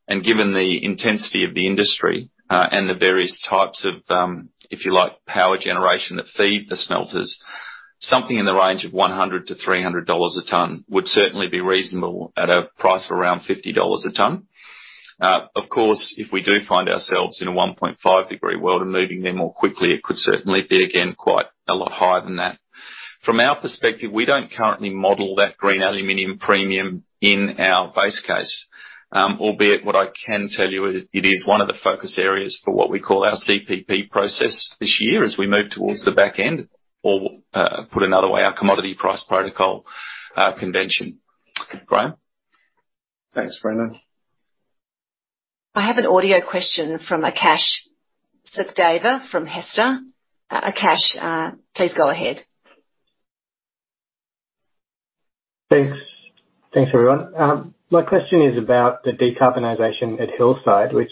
And given the intensity of the industry, and the various types of, if you like, power generation that feed the smelters, something in the range of $100-$300 a ton would certainly be reasonable at a price of around $50 a ton. Of course, if we do find ourselves in a 1.5-degree world and moving there more quickly, it could certainly be, again, quite a lot higher than that. From our perspective, we don't currently model that green aluminum premium in our base case. Albeit, what I can tell you is, it is one of the focus areas for what we call our CPP process this year, as we move towards the back end, or, put another way, our commodity price protocol, convention. Graham? Thanks, Brendan. I have an audio question from Akaash Sachdeva, from HESTA. Akaash, please go ahead. Thanks. Thanks, everyone. My question is about the decarbonization at Hillside, which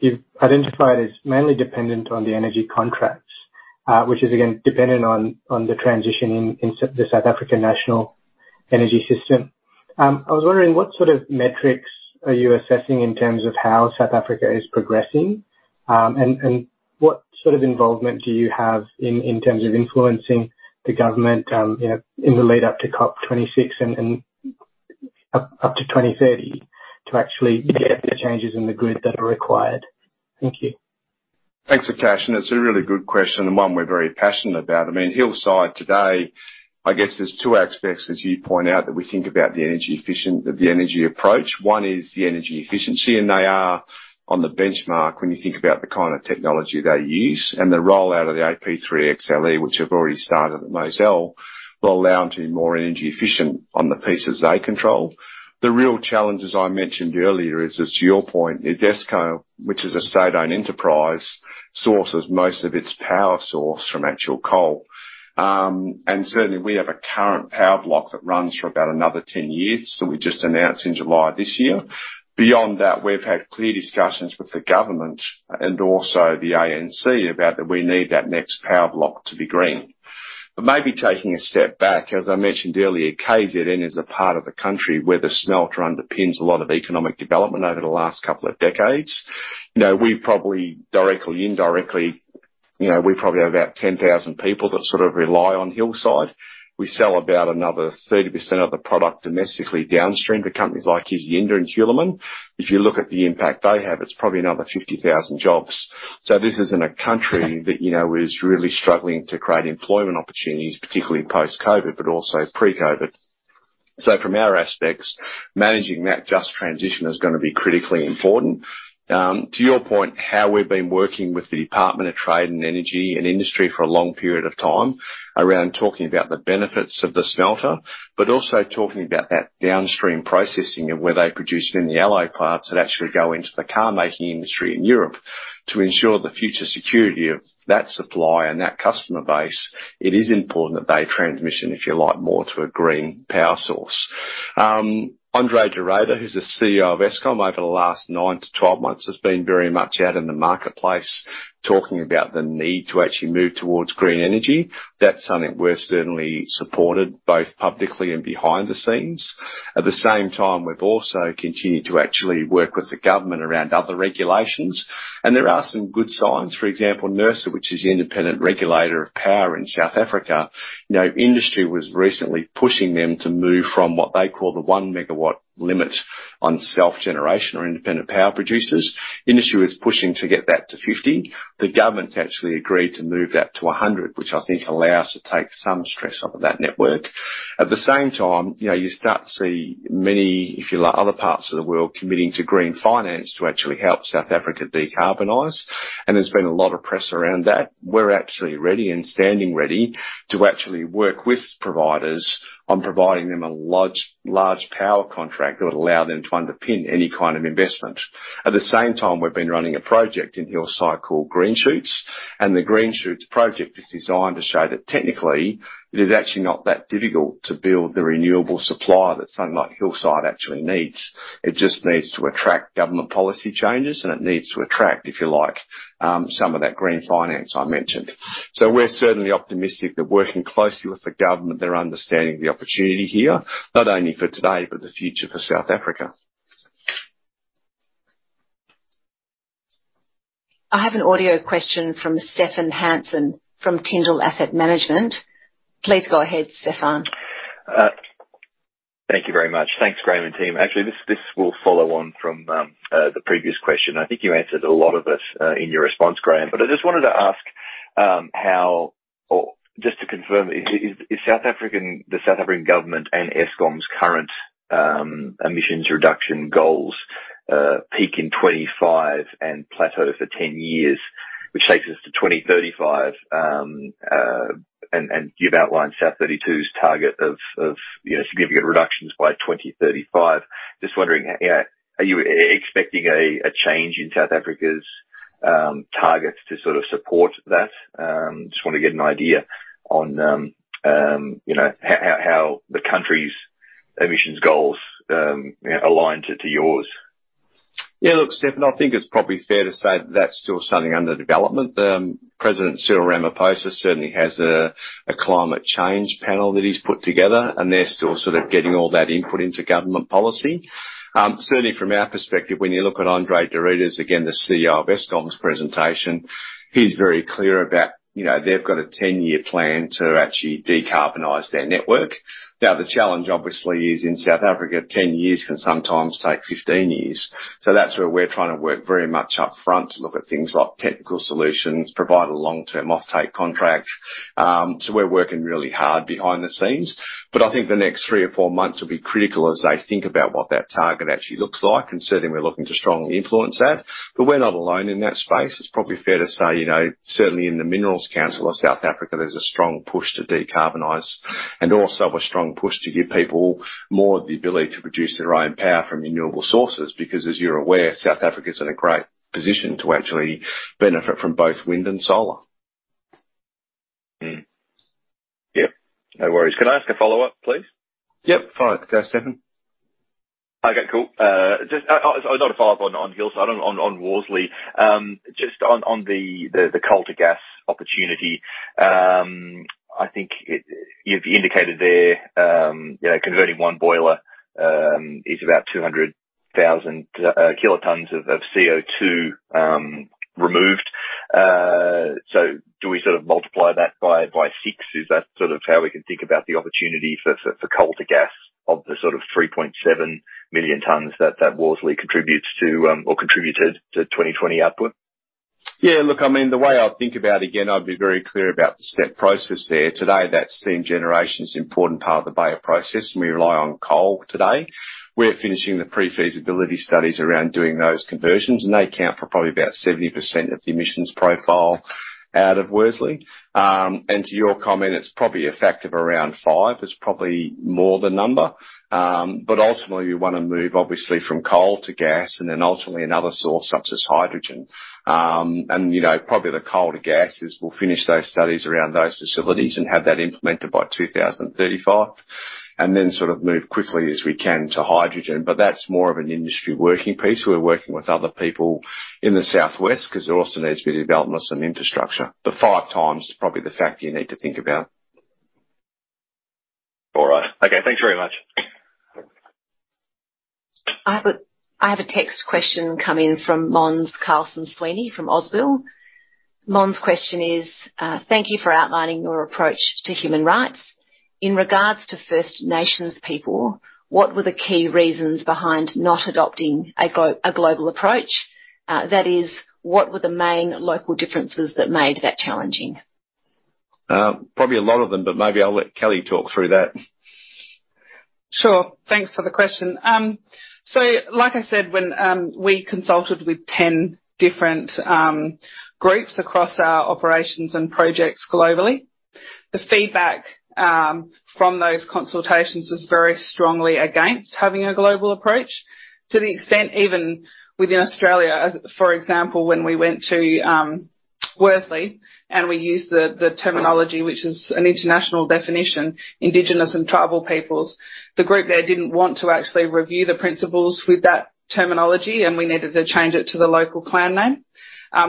you've identified as mainly dependent on the energy contracts, which is, again, dependent on the transition in the South African national energy system. I was wondering, what sort of metrics are you assessing in terms of how South Africa is progressing? And what sort of involvement do you have in terms of influencing the government, you know, in the lead up to COP26 and up to 2030, to actually get the changes in the grid that are required? Thank you. Thanks, Akaash, and it's a really good question, and one we're very passionate about. I mean, Hillside today, I guess there's two aspects, as you point out, that we think about the energy efficiency, the, the energy approach. One is the energy efficiency, and they are on the benchmark when you think about the kind of technology they use. And the rollout of the AP3XLE, which have already started at Mozal, will allow them to be more energy efficient on the pieces they control. The real challenge, as I mentioned earlier, is as to your point, is Eskom, which is a state-owned enterprise, sources most of its power source from actual coal. And certainly, we have a current power block that runs for about another 10 years, that we just announced in July this year. Beyond that, we've had clear discussions with the government and also the ANC, about that we need that next power block to be green. But maybe taking a step back, as I mentioned earlier, KZN is a part of the country where the smelter underpins a lot of economic development over the last couple of decades. You know, we've probably, directly, indirectly, you know, we probably have about 10,000 people that sort of rely on Hillside. We sell about another 30% of the product domestically downstream, to companies like Isizinda and Hulamin. If you look at the impact they have, it's probably another 50,000 jobs. So this is in a country that, you know, is really struggling to create employment opportunities, particularly post-COVID, but also pre-COVID. So from our aspects, managing that just transition is gonna be critically important. To your point, how we've been working with the Department of Trade and Energy and Industry for a long period of time, around talking about the benefits of the smelter. But also talking about that downstream processing and where they produce many alloy parts, that actually go into the car making industry in Europe, to ensure the future security of that supply and that customer base, it is important that they transition, if you like, more to a green power source. André de Ruyter, who's the CEO of Eskom, over the last 9-12 months, has been very much out in the marketplace talking about the need to actually move towards green energy. That's something we're certainly supported, both publicly and behind the scenes. At the same time, we've also continued to actually work with the government around other regulations, and there are some good signs. For example, NERSA, which is the independent regulator of power in South Africa, you know, industry was recently pushing them to move from what they call the 1 MW limit on self-generation or independent power producers. Industry was pushing to get that to 50. The government actually agreed to move that to 100, which I think allows to take some stress off of that network. At the same time, you know, you start to see many, if you like, other parts of the world committing to green finance to actually help South Africa decarbonize, and there's been a lot of press around that. We're actually ready, and standing ready, to actually work with providers on providing them a large, large power contract that would allow them to underpin any kind of investment. At the same time, we've been running a project in Hillside called Green Shoots, and the Green Shoots project is designed to show that technically, it is actually not that difficult to build the renewable supply that something like Hillside actually needs. It just needs to attract government policy changes, and it needs to attract, if you like, some of that green finance I mentioned. So we're certainly optimistic that working closely with the government, they're understanding the opportunity here, not only for today, but the future for South Africa. I have an audio question from Stefan Hansen, from Tyndall Asset Management. Please go ahead, Stefan. Thank you very much. Thanks, Graham and team. Actually, this will follow on from the previous question. I think you answered a lot of it in your response, Graham. But I just wanted to ask or just to confirm, is South Africa, the South African government and Eskom's current emissions reduction goals peak in 2025 and plateau for ten years, which takes us to 2035, and you've outlined South32's target of, you know, significant reductions by 2035. Just wondering, are you expecting a change in South Africa's targets to sort of support that? Just want to get an idea on, you know, how the country's emissions goals align to yours? Yeah, look, Stefan, I think it's probably fair to say that's still something under development. President Cyril Ramaphosa certainly has a climate change panel that he's put together, and they're still sort of getting all that input into government policy. Certainly from our perspective, when you look at André de Ruyter, again, the CEO of Eskom's presentation, he's very clear about, you know, they've got a 10-year plan to actually decarbonize their network. Now, the challenge, obviously, is in South Africa, 10 years can sometimes take 15 years. So that's where we're trying to work very much up front to look at things like technical solutions, provide a long-term off-take contract. So, we're working really hard behind the scenes, but I think the next three or four months will be critical as they think about what that target actually looks like, and certainly we're looking to strongly influence that, but we're not alone in that space. It's probably fair to say, you know, certainly in the Minerals Council of South Africa, there's a strong push to decarbonize and also a strong push to give people more of the ability to produce their own power from renewable sources, because, as you're aware, South Africa is in a great position to actually benefit from both wind and solar. Mm. Yep, no worries. Can I ask a follow-up, please? Yep. Fine, Stefan. Okay, cool. Just not a follow-up on Hillside, on Worsley. Just on the coal to gas opportunity, I think it, you've indicated there, you know, converting one boiler is about 200,000 kilotons of CO2 removed. So do we sort of multiply that by 6? Is that sort of how we can think about the opportunity for coal to gas of the sort of 3.7 million tons that Worsley contributes to, or contributed to 2020 output? Yeah, look, I mean, the way I think about it, again, I'd be very clear about the step process there. Today, that steam generation is an important part of the Bayer Process, and we rely on coal today. We're finishing the pre-feasibility studies around doing those conversions, and they account for probably about 70% of the emissions profile out of Worsley. And to your comment, it's probably a factor of around 5. It's probably more the number, but ultimately, you want to move, obviously, from coal to gas and then ultimately another source, such as hydrogen. And, you know, probably the coal to gas is we'll finish those studies around those facilities and have that implemented by 2035, and then sort of move quickly as we can to hydrogen. But that's more of an industry working piece. We're working with other people in the southwest, 'cause there also needs to be development of some infrastructure. The five times is probably the factor you need to think about. All right. Okay, thanks very much. I have a, I have a text question come in from Måns Carlsson-Sweeny from Ausbil. Måns' question is, "Thank you for outlining your approach to human rights. In regards to First Nations people, what were the key reasons behind not adopting a global approach? That is, what were the main local differences that made that challenging? Probably a lot of them, but maybe I'll let Kelly talk through that. Sure. Thanks for the question. So like I said, when we consulted with 10 different groups across our operations and projects globally, the feedback from those consultations was very strongly against having a global approach, to the extent even within Australia. As—for example, when we went to Worsley, and we used the terminology, which is an international definition, Indigenous and Tribal peoples, the group there didn't want to actually review the principles with that terminology, and we needed to change it to the local clan name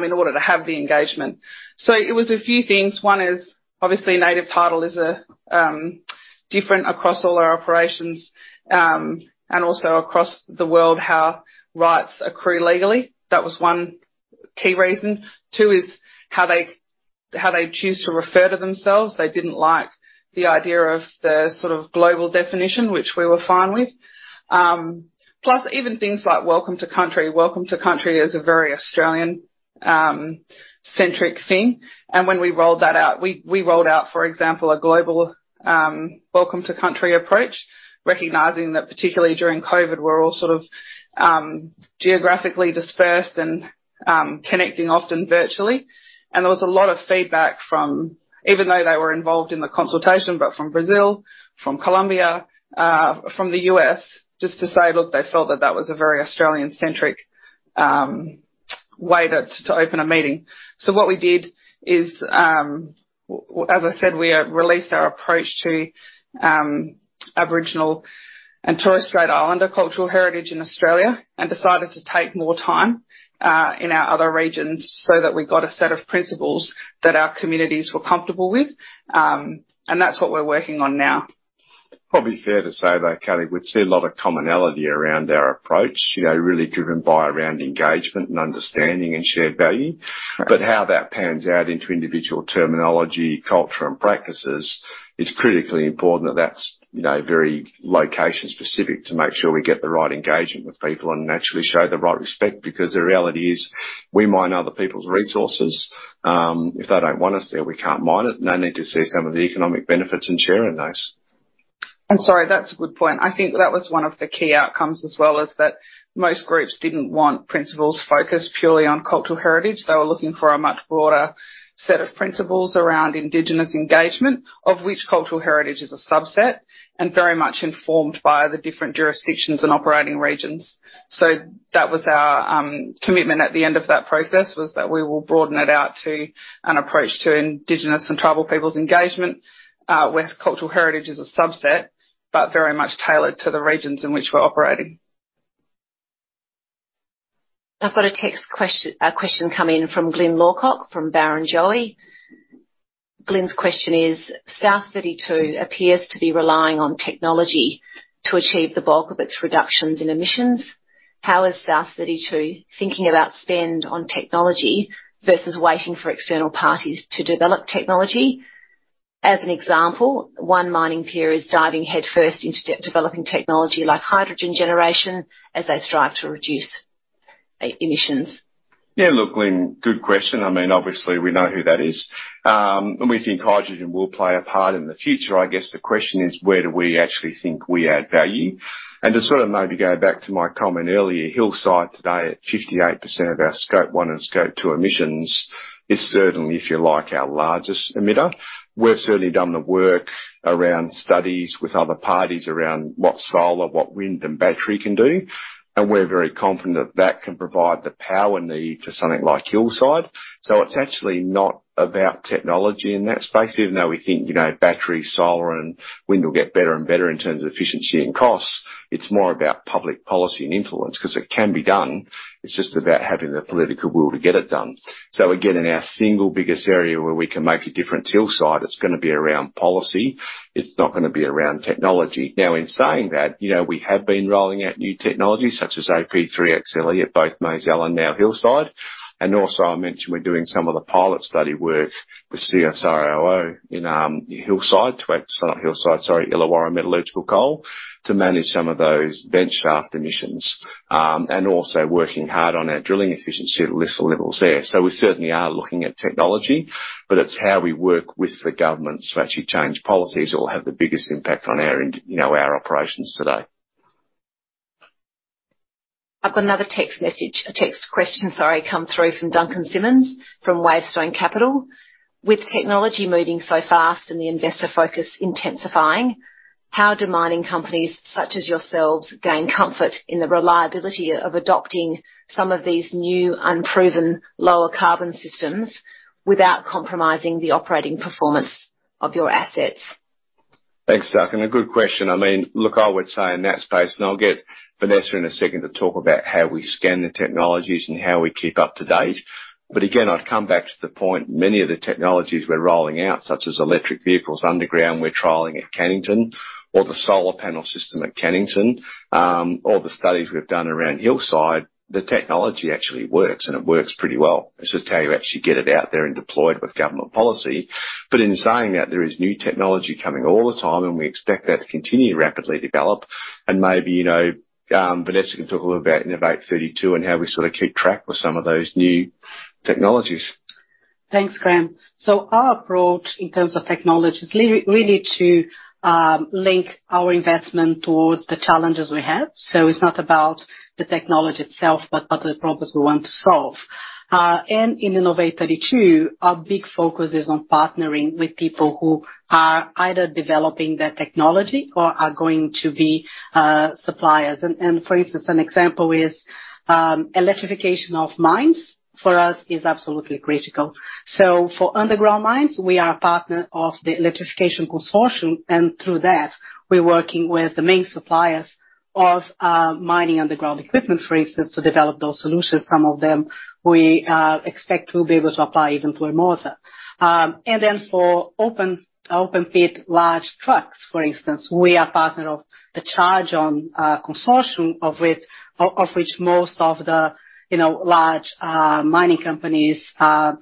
in order to have the engagement. So it was a few things. One is obviously native title is different across all our operations, and also across the world, how rights accrue legally. That was one key reason. Two is how they, how they choose to refer to themselves. They didn't like the idea of the sort of global definition, which we were fine with. Plus, even things like Welcome to Country. Welcome to Country is a very Australian centric thing, and when we rolled that out, we rolled out, for example, a global Welcome to Country approach, recognizing that particularly during COVID, we're all sort of geographically dispersed and connecting often virtually. And there was a lot of feedback from, even though they were involved in the consultation, but from Brazil, from Colombia, from the US, just to say, look, they felt that that was a very Australian-centric way to open a meeting. What we did is, as I said, we released our approach to Aboriginal and Torres Strait Islander cultural heritage in Australia, and decided to take more time in our other regions so that we got a set of principles that our communities were comfortable with. That's what we're working on now. Probably fair to say, though, Kelly, we'd see a lot of commonality around our approach, you know, really driven by around engagement and understanding and shared value. Right. But how that pans out into individual terminology, culture, and practices, it's critically important that that's, you know, very location-specific to make sure we get the right engagement with people and naturally show the right respect, because the reality is, we mine other people's resources. If they don't want us there, we can't mine it, and they need to see some of the economic benefits and share in those. I'm sorry, that's a good point. I think that was one of the key outcomes as well, is that most groups didn't want principles focused purely on cultural heritage. They were looking for a much broader set of principles around indigenous engagement, of which cultural heritage is a subset, and very much informed by the different jurisdictions and operating regions. So that was our commitment at the end of that process, was that we will broaden it out to an approach to Indigenous and Tribal peoples' engagement, with cultural heritage as a subset, but very much tailored to the regions in which we're operating. I've got a text question, question come in from Glyn Lawcock, from Barrenjoey. Glyn's question is: South32 appears to be relying on technology to achieve the bulk of its reductions in emissions. How is South32 thinking about spend on technology versus waiting for external parties to develop technology? As an example, one mining peer is diving headfirst into developing technology like hydrogen generation as they strive to reduce emissions. Yeah. Look, Glyn, good question. I mean, obviously, we know who that is. And we think hydrogen will play a part in the future. I guess, the question is, where do we actually think we add value? And to sort of maybe go back to my comment earlier, Hillside today, at 58% of our Scope 1 and Scope 2 emissions, is certainly, if you like, our largest emitter. We've certainly done the work around studies with other parties, around what solar, what wind and battery can do, and we're very confident that that can provide the power need for something like Hillside. So it's actually not about technology in that space, even though we think, you know, battery, solar, and wind will get better and better in terms of efficiency and costs, it's more about public policy and influence, 'cause it can be done. It's just about having the political will to get it done. So again, in our single biggest area where we can make a difference, Hillside, it's gonna be around policy. It's not gonna be around technology. Now, in saying that, you know, we have been rolling out new technologies, such as AP3XLE at both Mozal and now Hillside. And also, I mentioned we're doing some of the pilot study work with CSIRO in Hillside, not Hillside, sorry, Illawarra Metallurgical Coal, to manage some of those vent shaft emissions. And also working hard on our drilling efficiency at lower levels there. So we certainly are looking at technology, but it's how we work with the government to actually change policies that will have the biggest impact on our, you know, our operations today. I've got another text message, a text question, sorry, come through from Duncan Simmonds from Wavestone Capital. With technology moving so fast and the investor focus intensifying, how do mining companies, such as yourselves, gain comfort in the reliability of adopting some of these new, unproven, lower carbon systems without compromising the operating performance of your assets? Thanks, Duncan. A good question. I mean, look, I would say in that space, and I'll get Vanessa in a second to talk about how we scan the technologies and how we keep up to date. But again, I'd come back to the point, many of the technologies we're rolling out, such as electric vehicles underground, we're trialing at Cannington, or the solar panel system at Cannington, or the studies we've done around Hillside, the technology actually works, and it works pretty well. It's just how you actually get it out there and deployed with government policy. But in saying that, there is new technology coming all the time, and we expect that to continue to rapidly develop. And maybe, you know, Vanessa can talk a little about Innovate32 and how we sort of keep track with some of those new technologies. Thanks, Graham. So our approach, in terms of technology, is really to link our investment towards the challenges we have. So it's not about the technology itself, but about the problems we want to solve. And in Innovate32, our big focus is on partnering with people who are either developing their technology or are going to be suppliers. And for instance, an example is electrification of mines, for us, is absolutely critical. So for underground mines, we are a partner of the Electrification Consortium, and through that, we're working with the main suppliers of mining underground equipment, for instance, to develop those solutions. Some of them, we expect to be able to apply even to Hermosa. And then for open pit large trucks, for instance, we are partner of the Charge On Consortium, of which most of the, you know, large mining companies that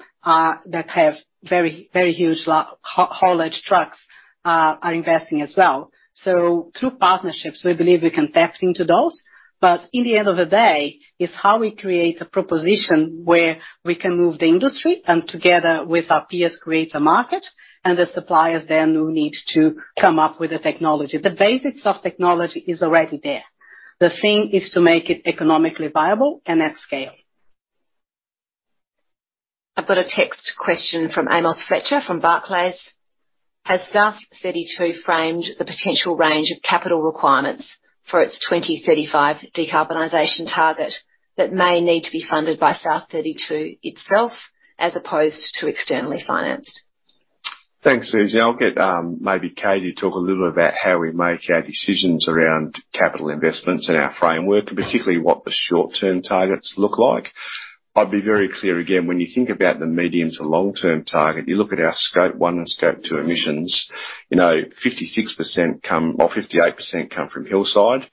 have very, very huge haulage trucks are investing as well. So through partnerships, we believe we can tap into those, but in the end of the day, it's how we create a proposition where we can move the industry and together with our peers, create a market, and the suppliers then will need to come up with the technology. The basics of technology is already there. The thing is to make it economically viable and at scale. I've got a text question from Amos Fletcher, from Barclays. Has South32 framed the potential range of capital requirements for its 2035 decarbonization target that may need to be funded by South32 itself, as opposed to externally financed? Thanks, Susie. I'll get maybe Katie to talk a little about how we make our decisions around capital investments and our framework, and particularly what the short-term targets look like. I'd be very clear, again, when you think about the medium to long-term target, you look at our Scope 1 and Scope 2 emissions, you know, 56% come or 58% come from Hillside.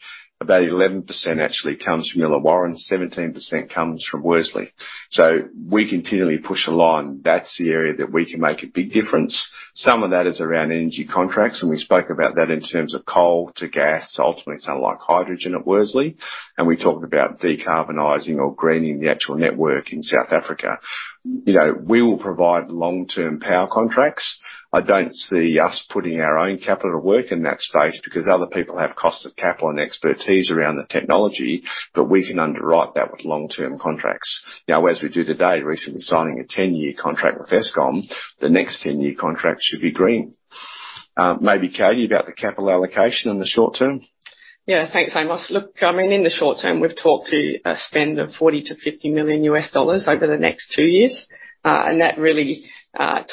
About 11% actually comes from Illawarra, 17% comes from Worsley. So we continually push along. That's the area that we can make a big difference. Some of that is around energy contracts, and we spoke about that in terms of coal to gas, to ultimately something like hydrogen at Worsley. And we talked about decarbonizing or greening the actual network in South Africa. You know, we will provide long-term power contracts. I don't see us putting our own capital at work in that space, because other people have costs of capital and expertise around the technology, but we can underwrite that with long-term contracts. Now, as we do today, recently signing a 10-year contract with Eskom, the next 10-year contract should be green. Maybe, Katie, about the capital allocation in the short term? Yeah, thanks, Amos. Look, I mean, in the short term, we've talked to a spend of $40 million-$50 million over the next two years. And that really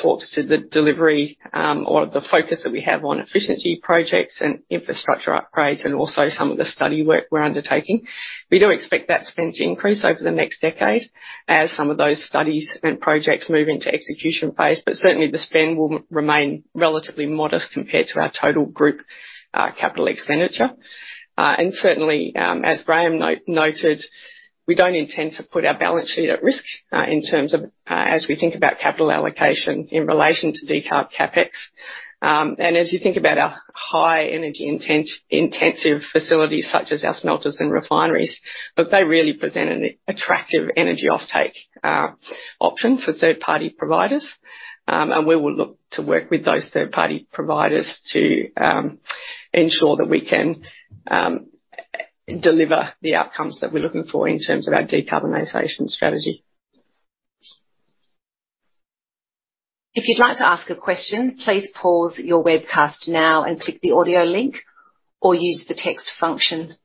talks to the delivery or the focus that we have on efficiency projects and infrastructure upgrades, and also some of the study work we're undertaking. We do expect that spend to increase over the next decade, as some of those studies and projects move into execution phase. But certainly the spend will remain relatively modest compared to our total group capital expenditure. And certainly, as Graham noted, we don't intend to put our balance sheet at risk, in terms of, as we think about capital allocation in relation to decarb CapEx. And as you think about our high energy intensive facilities, such as our smelters and refineries, but they really present an attractive energy offtake option for third-party providers. And we will look to work with those third-party providers to ensure that we can deliver the outcomes that we're looking for in terms of our decarbonization strategy. If you'd like to ask a question, please pause your webcast now and click the audio link, or use the text function.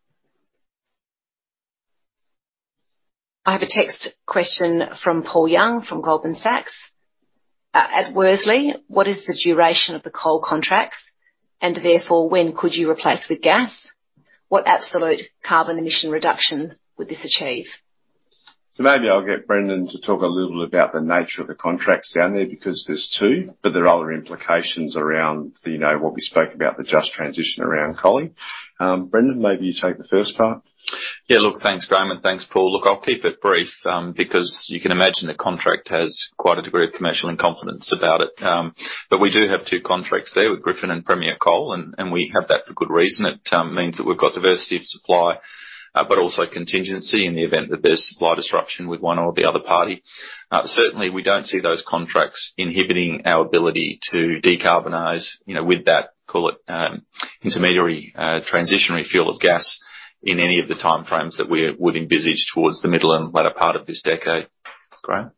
I have a text question from Paul Young, from Goldman Sachs. "At Worsley, what is the duration of the coal contracts, and therefore, when could you replace with gas? What absolute carbon emission reduction would this achieve? So maybe I'll get Brendan to talk a little about the nature of the contracts down there, because there's two, but there are other implications around, you know, what we spoke about, the just transition around coal. Brendan, maybe you take the first part. Yeah, look, thanks, Graham, and thanks, Paul. Look, I'll keep it brief, because you can imagine the contract has quite a degree of commercial in confidence about it. But we do have two contracts there with Griffin and Premier Coal, and we have that for good reason. It means that we've got diversity of supply, but also contingency in the event that there's supply disruption with one or the other party. Certainly, we don't see those contracts inhibiting our ability to decarbonize, you know, with that, call it, intermediary, transitionary fuel of gas in any of the time frames that we would envisage towards the middle and latter part of this decade. Graham?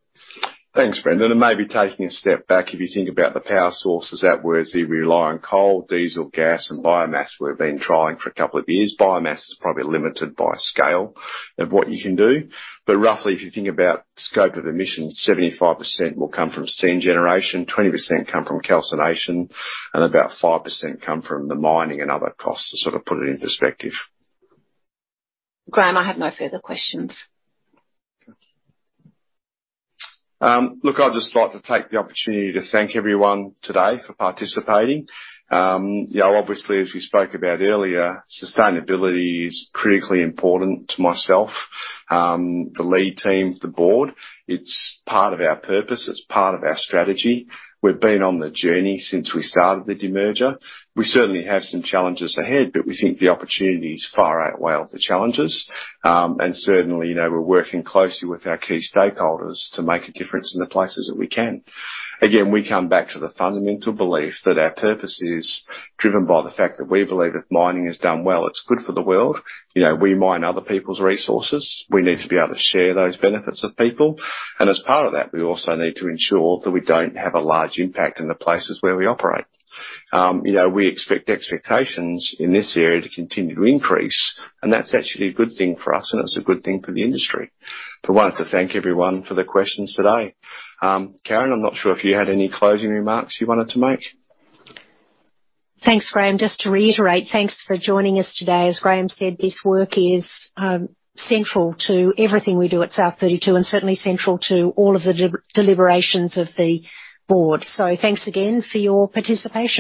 Thanks, Brendan, and maybe taking a step back, if you think about the power sources at Worsley, we rely on coal, diesel, gas, and biomass. We've been trying for a couple of years. Biomass is probably limited by scale of what you can do, but roughly, if you think about scope of emissions, 75% will come from steam generation, 20% come from calcination, and about 5% come from the mining and other costs, to sort of put it in perspective. Graham, I have no further questions. Look, I'd just like to take the opportunity to thank everyone today for participating. You know, obviously, as we spoke about earlier, sustainability is critically important to myself, the lead team, the board. It's part of our purpose. It's part of our strategy. We've been on the journey since we started the demerger. We certainly have some challenges ahead, but we think the opportunities far outweigh the challenges. Certainly, you know, we're working closely with our key stakeholders to make a difference in the places that we can. Again, we come back to the fundamental belief that our purpose is driven by the fact that we believe if mining is done well, it's good for the world. You know, we mine other people's resources. We need to be able to share those benefits with people, and as part of that, we also need to ensure that we don't have a large impact in the places where we operate. You know, we expect expectations in this area to continue to increase, and that's actually a good thing for us, and it's a good thing for the industry. But I wanted to thank everyone for the questions today. Karen, I'm not sure if you had any closing remarks you wanted to make. Thanks, Graham. Just to reiterate, thanks for joining us today. As Graham said, this work is central to everything we do at South32 and certainly central to all of the deliberations of the board. So thanks again for your participation.